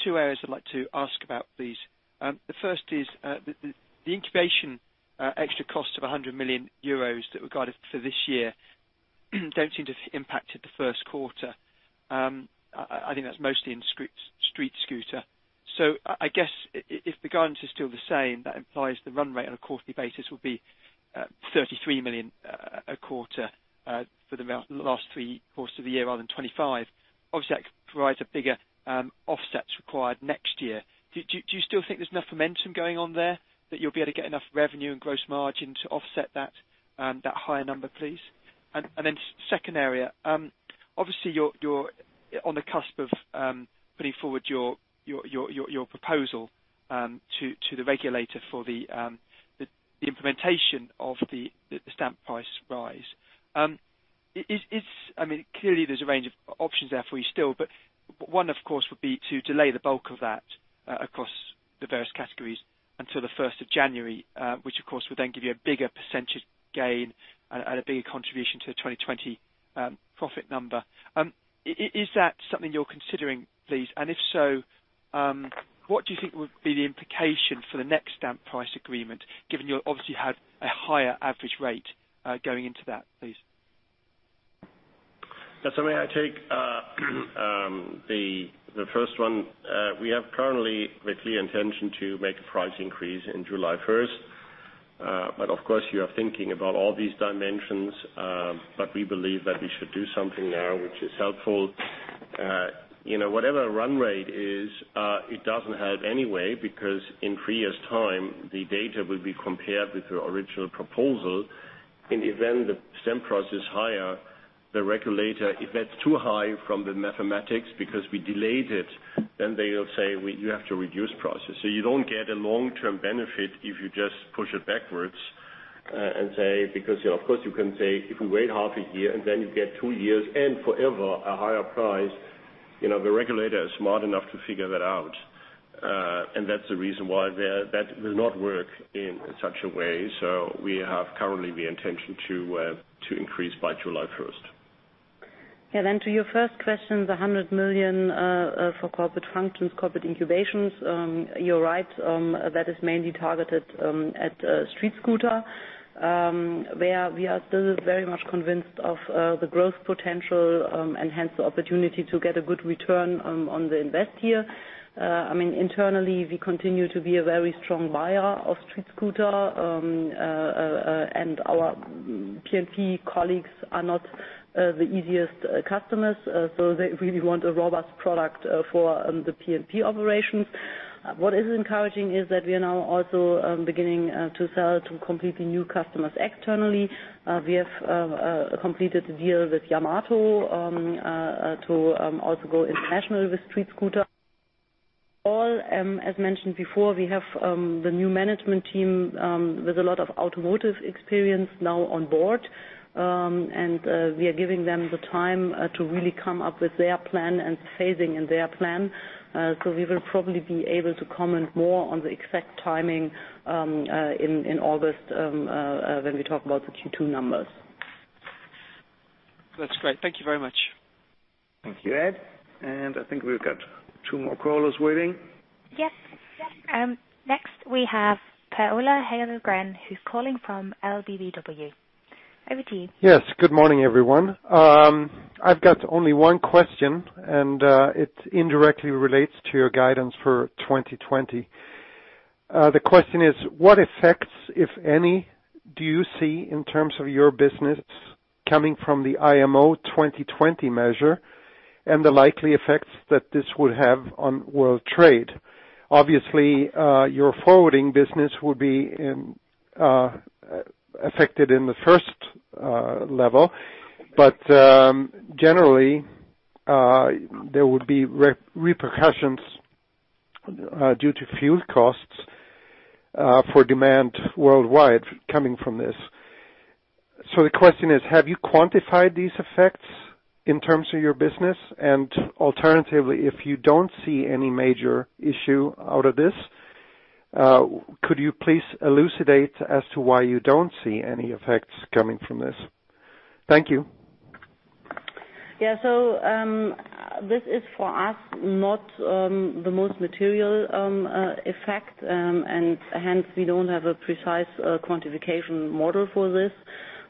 Two areas I'd like to ask about, please. The first is the incubation extra cost of 100 million euros that we guided for this year don't seem to have impacted the first quarter. I think that's mostly in StreetScooter. I guess if the guidance is still the same, that implies the run rate on a quarterly basis will be 33 million a quarter for the last three quarters of the year rather than 25 million. Obviously, that provides a bigger offset required next year. Do you still think there's enough momentum going on there that you'll be able to get enough revenue and gross margin to offset that higher number, please? Second area. Obviously, you're on the cusp of putting forward your proposal to the regulator for the implementation of the stamp price rise. Clearly, there's a range of options there for you still, but one, of course, would be to delay the bulk of that across the various categories until the 1st of January. Which, of course, would then give you a bigger % gain and a bigger contribution to the 2020 profit number. Is that something you're considering, please? If so, what do you think would be the implication for the next stamp price agreement, given you obviously had a higher average rate going into that, please? That's something I take. The first one, we have currently with clear intention to make a price increase in July 1st. Of course, you are thinking about all these dimensions, but we believe that we should do something now which is helpful. Whatever our run rate is, it doesn't hurt anyway, because in three years' time, the data will be compared with your original proposal. In the event the same price is higher, the regulator, if that's too high from the mathematics because we delayed it, then they'll say, "You have to reduce prices." You don't get a long-term benefit if you just push it backwards and say, because of course you can say, if we wait half a year, then you get two years and forever a higher price. The regulator is smart enough to figure that out. That's the reason why that will not work in such a way. We have currently the intention to increase by July 1st. Yeah. To your first question, the 100 million for corporate functions, corporate incubations. You're right, that is mainly targeted at StreetScooter, where we are still very much convinced of the growth potential, and hence the opportunity to get a good return on the invest here. Internally, we continue to be a very strong buyer of StreetScooter. Our PeP colleagues are not the easiest customers, so they really want a robust product for the PeP operations. What is encouraging is that we are now also beginning to sell to completely new customers externally. We have completed a deal with Yamato, to also go international with StreetScooter. As mentioned before, we have the new management team with a lot of automotive experience now on board. We are giving them the time to really come up with their plan and phasing in their plan. We will probably be able to comment more on the exact timing in August, when we talk about the Q2 numbers. That's great. Thank you very much. Thank you, Ed. I think we've got two more callers waiting. Yes. Next we have Per-Ola Hedengren, who's calling from LBBW. Over to you. Yes. Good morning, everyone. I've got only one question. It indirectly relates to your guidance for 2020. The question is, what effects, if any, do you see in terms of your business coming from the IMO 2020 measure and the likely effects that this will have on world trade? Obviously, your forwarding business will be affected in the first level. Generally, there would be repercussions due to fuel costs for demand worldwide coming from this. The question is, have you quantified these effects in terms of your business? Alternatively, if you don't see any major issue out of this, could you please elucidate as to why you don't see any effects coming from this? Thank you. Yeah. This is for us, not the most material effect. Hence, we don't have a precise quantification model for this.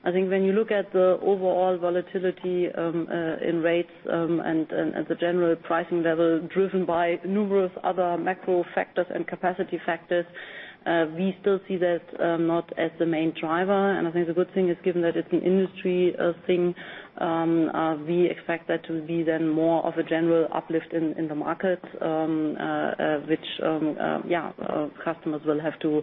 I think when you look at the overall volatility in rates and the general pricing level driven by numerous other macro factors and capacity factors, we still see that not as the main driver. I think the good thing is, given that it's an industry thing, we expect that to be then more of a general uplift in the market, which customers will have to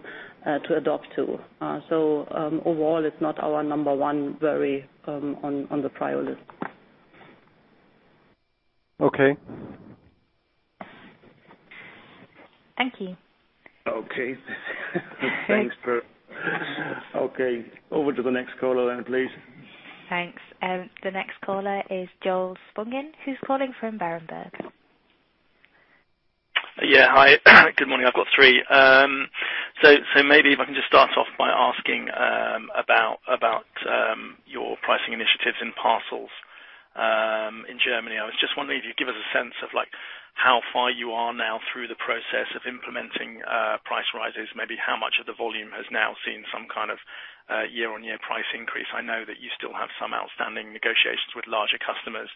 adopt to. Overall, it's not our number 1 worry on the priority list. Okay. Thank you. Thanks, Per. Over to the next caller then, please. Thanks. The next caller is Joel Spungin, who's calling from Berenberg. Hi, good morning. I've got three. Maybe if I can just start off by asking about your pricing initiatives in parcels in Germany. I was just wondering if you could give us a sense of how far you are now through the process of implementing price rises, maybe how much of the volume has now seen some kind of year-on-year price increase. I know that you still have some outstanding negotiations with larger customers.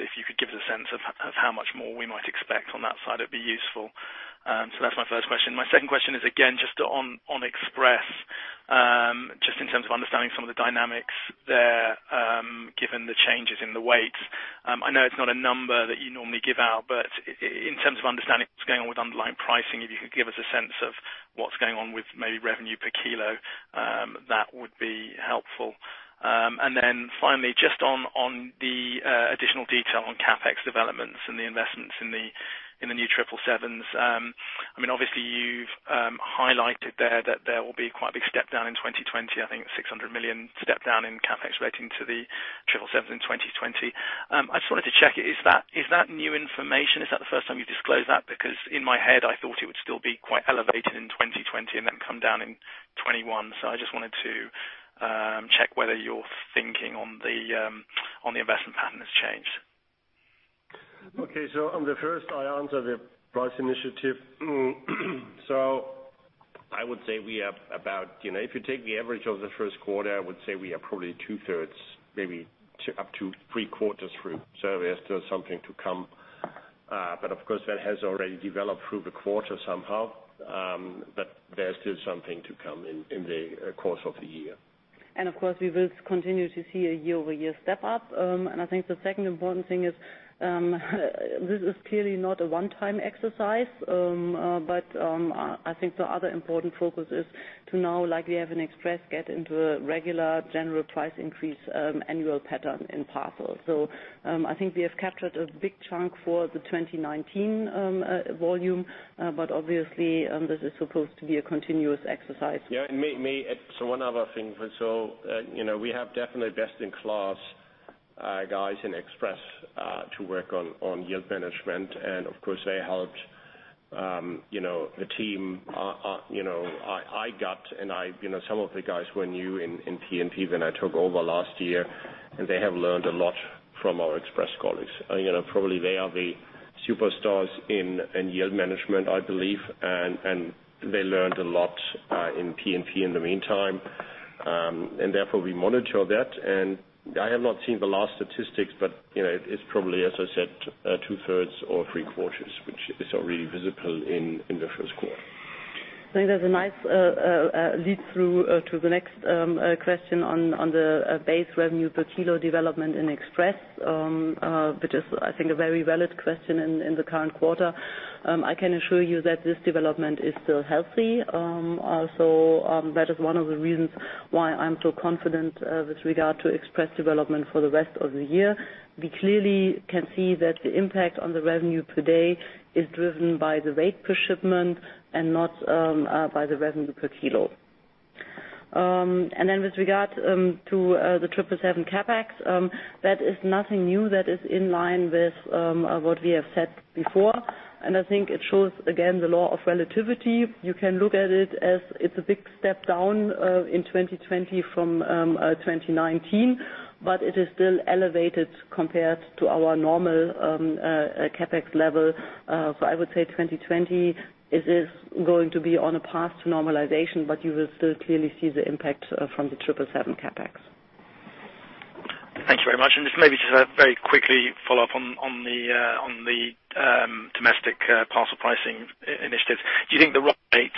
If you could give us a sense of how much more we might expect on that side, it'd be useful. That's my first question. My second question is, again, just on Express, just in terms of understanding some of the dynamics there, given the changes in the weights. I know it's not a number that you normally give out, in terms of understanding what's going on with underlying pricing, if you could give us a sense of what's going on with maybe revenue per kilo, that would be helpful. Finally, just on the additional detail on CapEx developments and the investments in the new 777s. Obviously, you've highlighted there that there will be quite a big step down in 2020. I think it's 600 million step down in CapEx relating to the 777 in 2020. I just wanted to check, is that new information? Is that the first time you've disclosed that? In my head, I thought it would still be quite elevated in 2020 and then come down in 2021. I just wanted to check whether your thinking on the investment pattern has changed. Okay. On the first, I answer the price initiative. I would say we have about, if you take the average of the first quarter, I would say we are probably two-thirds, maybe up to three-quarters through. We have still something to come. Of course, that has already developed through the quarter somehow. There's still something to come in the course of the year. Of course, we will continue to see a year-over-year step up. I think the second important thing is this is clearly not a one-time exercise. I think the other important focus is to now, like we have in Express, get into a regular general price increase, annual pattern in Parcel. I think we have captured a big chunk for the 2019 volume. Obviously, this is supposed to be a continuous exercise. Yeah. May I add one other thing? We have definitely best-in-class guys in Express, to work on yield management, and of course, they helped the team. Some of the guys were new in PeP when I took over last year, and they have learned a lot from our Express colleagues. Probably they are the superstars in yield management, I believe, and they learned a lot in PeP in the meantime. Therefore, we monitor that, and I have not seen the last statistics, but it's probably, as I said, two-thirds or three-quarters, which is already visible in the first quarter. I think that's a nice lead-through to the next question on the base revenue per kilo development in Express, which is, I think, a very valid question in the current quarter. I can assure you that this development is still healthy. That is one of the reasons why I'm so confident with regard to Express development for the rest of the year. We clearly can see that the impact on the revenue per day is driven by the weight per shipment and not by the revenue per kilo. With regard to the 777 CapEx, that is nothing new. That is in line with what we have said before, and I think it shows again, the law of relativity. You can look at it as it's a big step down in 2020 from 2019, but it is still elevated compared to our normal CapEx level. I would say 2020 is going to be on a path to normalization, but you will still clearly see the impact from the 777 CapEx. Thank you very much. Just maybe just a very quickly follow-up on the domestic parcel pricing initiatives. Do you think the rate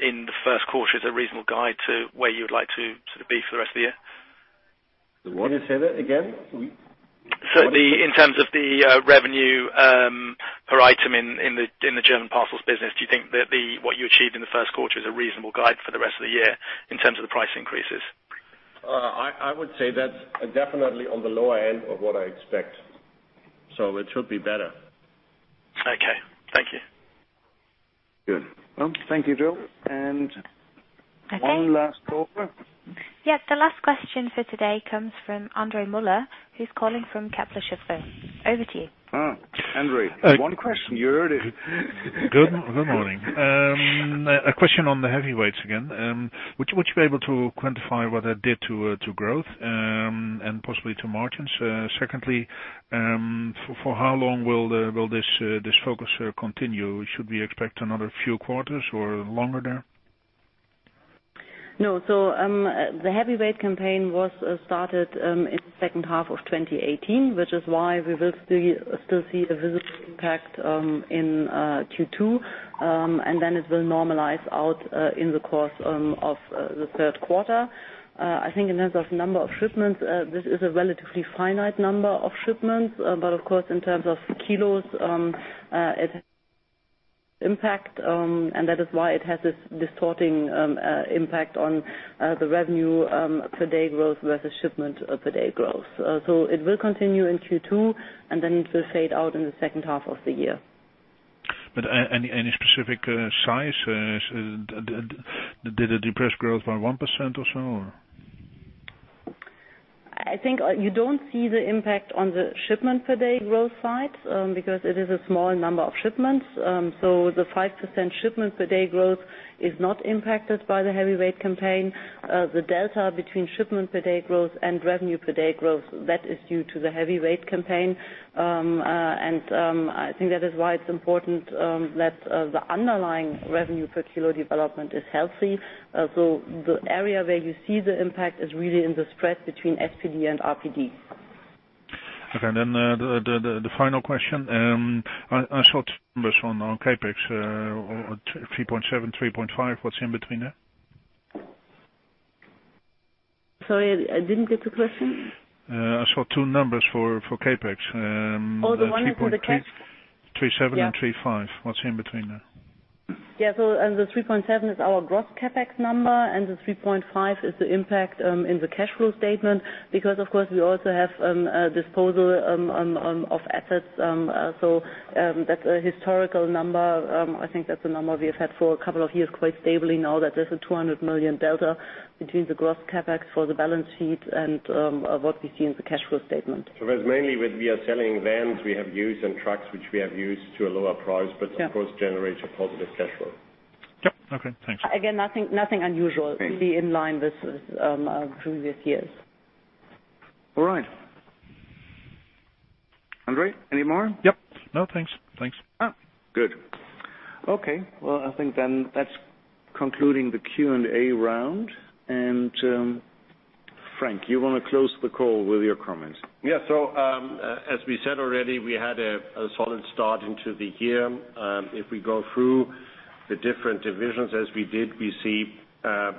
in the first quarter is a reasonable guide to where you would like to be for the rest of the year? The what? Can you say that again? In terms of the revenue per item in the German parcels business, do you think that what you achieved in the first quarter is a reasonable guide for the rest of the year in terms of the price increases? I would say that's definitely on the lower end of what I expect. It should be better. Okay. Thank you. Good. Well, thank you, Vicky. One last caller. Yes, the last question for today comes from Andre Mulder, who's calling from Capital Shipways. Over to you. Oh, Andre. One question, you heard it. Good morning. A question on the heavyweights again. Would you be able to quantify what that did to growth, and possibly to margins? Secondly, for how long will this focus continue? Should we expect another few quarters or longer there? No, the heavyweight campaign was started in the second half of 2018, which is why we will still see the visible impact in Q2. Then it will normalize out in the course of the third quarter. I think in terms of number of shipments, this is a relatively finite number of shipments. Of course, in terms of kilos, it impact, and that is why it has this distorting impact on the revenue per day growth versus shipment per day growth. It will continue in Q2, and then it will fade out in the second half of the year. Any specific size? Did it depress growth by 1% or so? I think you don't see the impact on the shipment per day growth side, because it is a small number of shipments. The 5% shipment per day growth is not impacted by the heavyweight campaign. The delta between shipment per day growth and revenue per day growth, that is due to the heavyweight campaign. I think that is why it's important that the underlying revenue per kilo development is healthy. The area where you see the impact is really in the spread between SPD and RPD. Okay, the final question. I saw numbers on CapEx, 3.7, 3.5. What's in between there? Sorry, I didn't get the question. I saw two numbers for CapEx. Oh, the one for the cash? 3.7 and 3.5. What's in between there? Yeah. The 3.7 is our gross CapEx number, and the 3.5 is the impact in the cash flow statement because of course, we also have a disposal of assets. That's a historical number. I think that's a number we have had for a couple of years, quite stably now that there's a 200 million delta between the gross CapEx for the balance sheet and what we see in the cash flow statement. That's mainly we are selling vans we have used and trucks which we have used to a lower price, but of course, generates a positive cash flow. Yep. Okay, thanks. Nothing unusual. Be in line with previous years. All right. Andre, any more? Yep. No, thanks. Good. Okay. Well, I think that's concluding the Q&A round. Frank, you want to close the call with your comments? Yeah. As we said already, we had a solid start into the year. If we go through the different divisions as we did, we see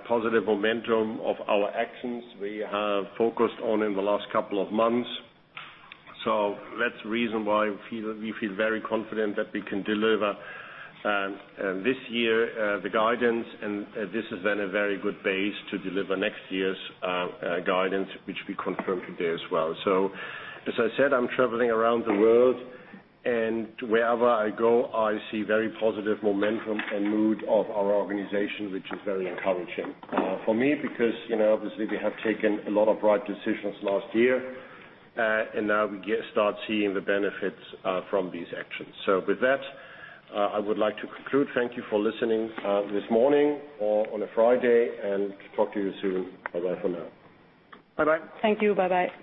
positive momentum of our actions we have focused on in the last couple of months. That's the reason why we feel very confident that we can deliver this year, the guidance, and this is then a very good base to deliver next year's guidance, which we confirm today as well. As I said, I'm traveling around the world, and wherever I go, I see very positive momentum and mood of our organization, which is very encouraging for me because obviously, we have taken a lot of right decisions last year. Now we start seeing the benefits from these actions. With that, I would like to conclude. Thank you for listening this morning or on a Friday, talk to you soon. Bye-bye for now. Bye-bye. Thank you. Bye-bye.